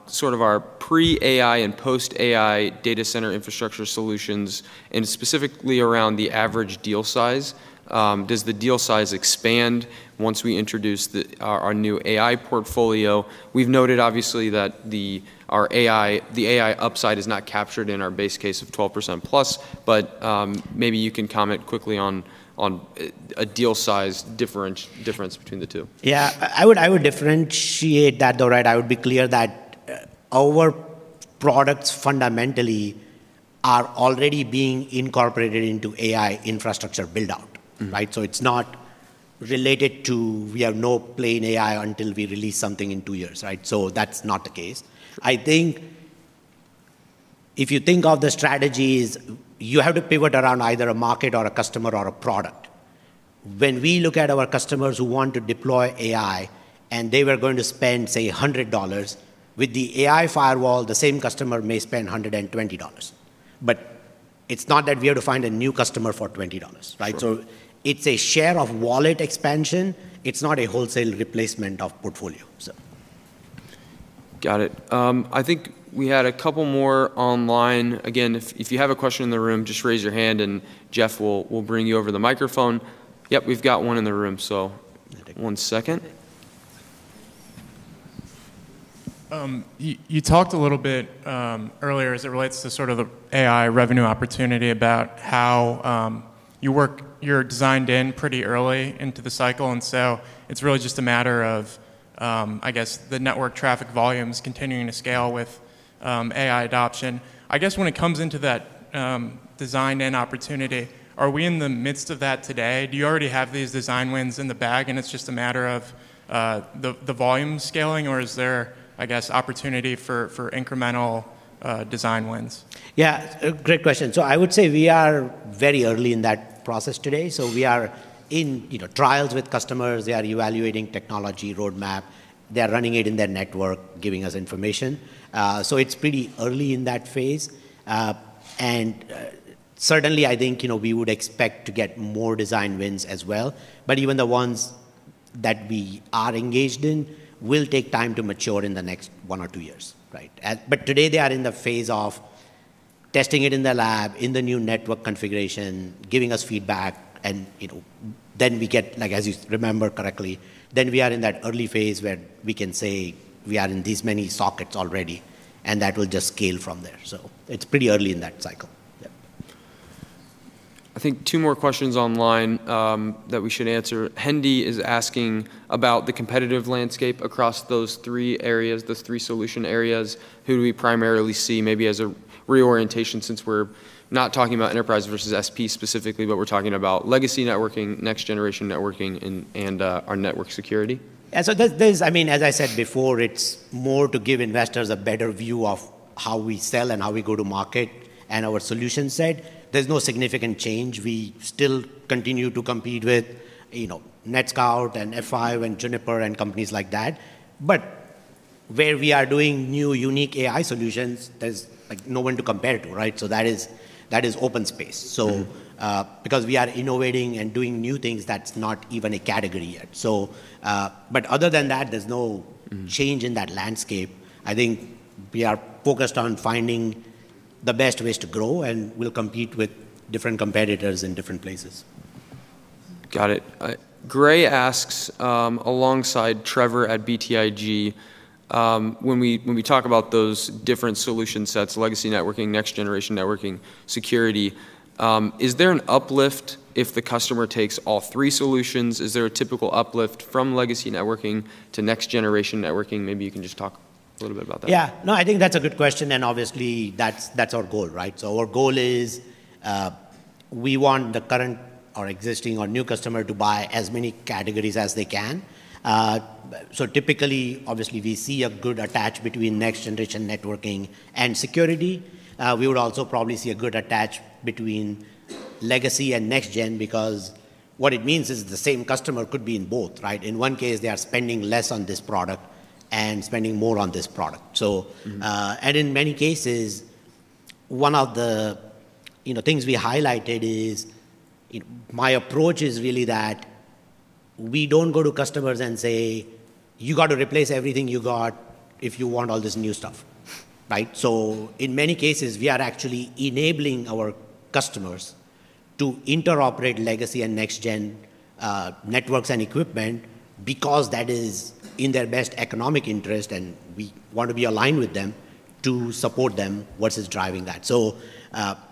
sort of our pre-AI and post-AI data center infrastructure solutions, and specifically around the average deal size. Does the deal size expand once we introduce our new AI portfolio? We've noted, obviously, that our AI—the AI upside is not captured in our base case of 12%+, but maybe you can comment quickly on a deal size difference between the two. Yeah. I would, I would differentiate that, though, right? I would be clear that, our products fundamentally are already being incorporated into AI infrastructure build-out. Mm-hmm. Right? So it's not related to we have no plain AI until we release something in two years, right? So that's not the case. I think if you think of the strategies, you have to pivot around either a market or a customer or a product. When we look at our customers who want to deploy AI, and they were going to spend, say, $100, with the AI firewall, the same customer may spend $120. But it's not that we have to find a new customer for $20, right? Sure. So it's a share of wallet expansion, it's not a wholesale replacement of portfolio, so... Got it. I think we had a couple more online. Again, if you have a question in the room, just raise your hand, and Jeff will bring you over the microphone. Yep, we've got one in the room, so one second. You talked a little bit earlier as it relates to sort of the AI revenue opportunity, about how you work. You're designed in pretty early into the cycle, and so it's really just a matter of, I guess, the network traffic volumes continuing to scale with AI adoption. I guess when it comes into that.... design and opportunity, are we in the midst of that today? Do you already have these design wins in the bag, and it's just a matter of the volume scaling, or is there, I guess, opportunity for incremental design wins? Yeah, a great question. So I would say we are very early in that process today. So we are in, you know, trials with customers. They are evaluating technology roadmap. They are running it in their network, giving us information. So it's pretty early in that phase. And, certainly, I think, you know, we would expect to get more design wins as well, but even the ones that we are engaged in will take time to mature in the next one or two years, right? But today they are in the phase of testing it in the lab, in the new network configuration, giving us feedback, and, you know, then we get, like, as you remember correctly, then we are in that early phase where we can say we are in this many sockets already, and that will just scale from there. It's pretty early in that cycle. Yeah. I think two more questions online that we should answer. Hendi is asking about the competitive landscape across those three areas, those three solution areas. Who do we primarily see, maybe as a reorientation, since we're not talking about enterprise versus SP specifically, but we're talking about legacy networking, next-generation networking, and our network security? Yeah, so there, there's, I mean, as I said before, it's more to give investors a better view of how we sell and how we go to market and our solution set. There's no significant change. We still continue to compete with, you know, NetScout, and F5, and Juniper, and companies like that. But where we are doing new, unique AI solutions, there's, like, no one to compare it to, right? So that is, that is open space. Mm-hmm. Because we are innovating and doing new things, that's not even a category yet. But other than that, there's no- Mm-hmm... change in that landscape. I think we are focused on finding the best ways to grow, and we'll compete with different competitors in different places. Got it. Gray asks, alongside Trevor at BTIG, when we, when we talk about those different solution sets, legacy networking, next-generation networking, security, is there an uplift if the customer takes all three solutions? Is there a typical uplift from legacy networking to next-generation networking? Maybe you can just talk a little bit about that. Yeah. No, I think that's a good question, and obviously, that's our goal, right? So our goal is, we want the current or existing or new customer to buy as many categories as they can. So typically, obviously, we see a good attach between next-generation networking and security. We would also probably see a good attach between legacy and next-gen because what it means is the same customer could be in both, right? In one case, they are spending less on this product and spending more on this product. So- Mm-hmm... and in many cases, one of the, you know, things we highlighted is, my approach is really that we don't go to customers and say, "You got to replace everything you got if you want all this new stuff," right? So in many cases, we are actually enabling our customers to interoperate legacy and next-gen networks and equipment because that is in their best economic interest, and we want to be aligned with them to support them, what is driving that. So,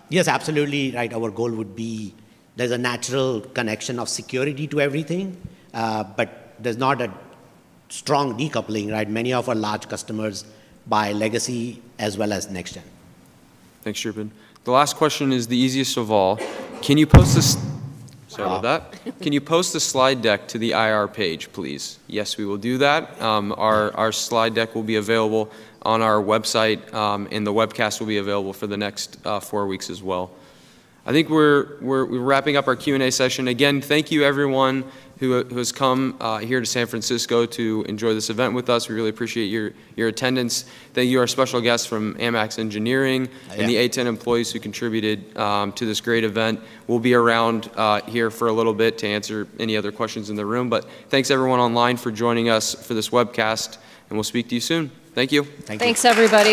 yes, absolutely, right, our goal would be there's a natural connection of security to everything, but there's not a strong decoupling, right? Many of our large customers buy legacy as well as next-gen. Thanks, Shervin. The last question is the easiest of all: Can you post this-Sorry about that. Can you post the slide deck to the IR page, please? Yes, we will do that. Our slide deck will be available on our website, and the webcast will be available for the next four weeks as well. I think we're wrapping up our Q&A session. Again, thank you everyone who has come here to San Francisco to enjoy this event with us. We really appreciate your attendance. Thank you, our special guests from AMAX Engineering- Yeah... and the A10 employees who contributed to this great event. We'll be around here for a little bit to answer any other questions in the room. But thanks, everyone online, for joining us for this webcast, and we'll speak to you soon. Thank you. Thank you. Thanks, everybody.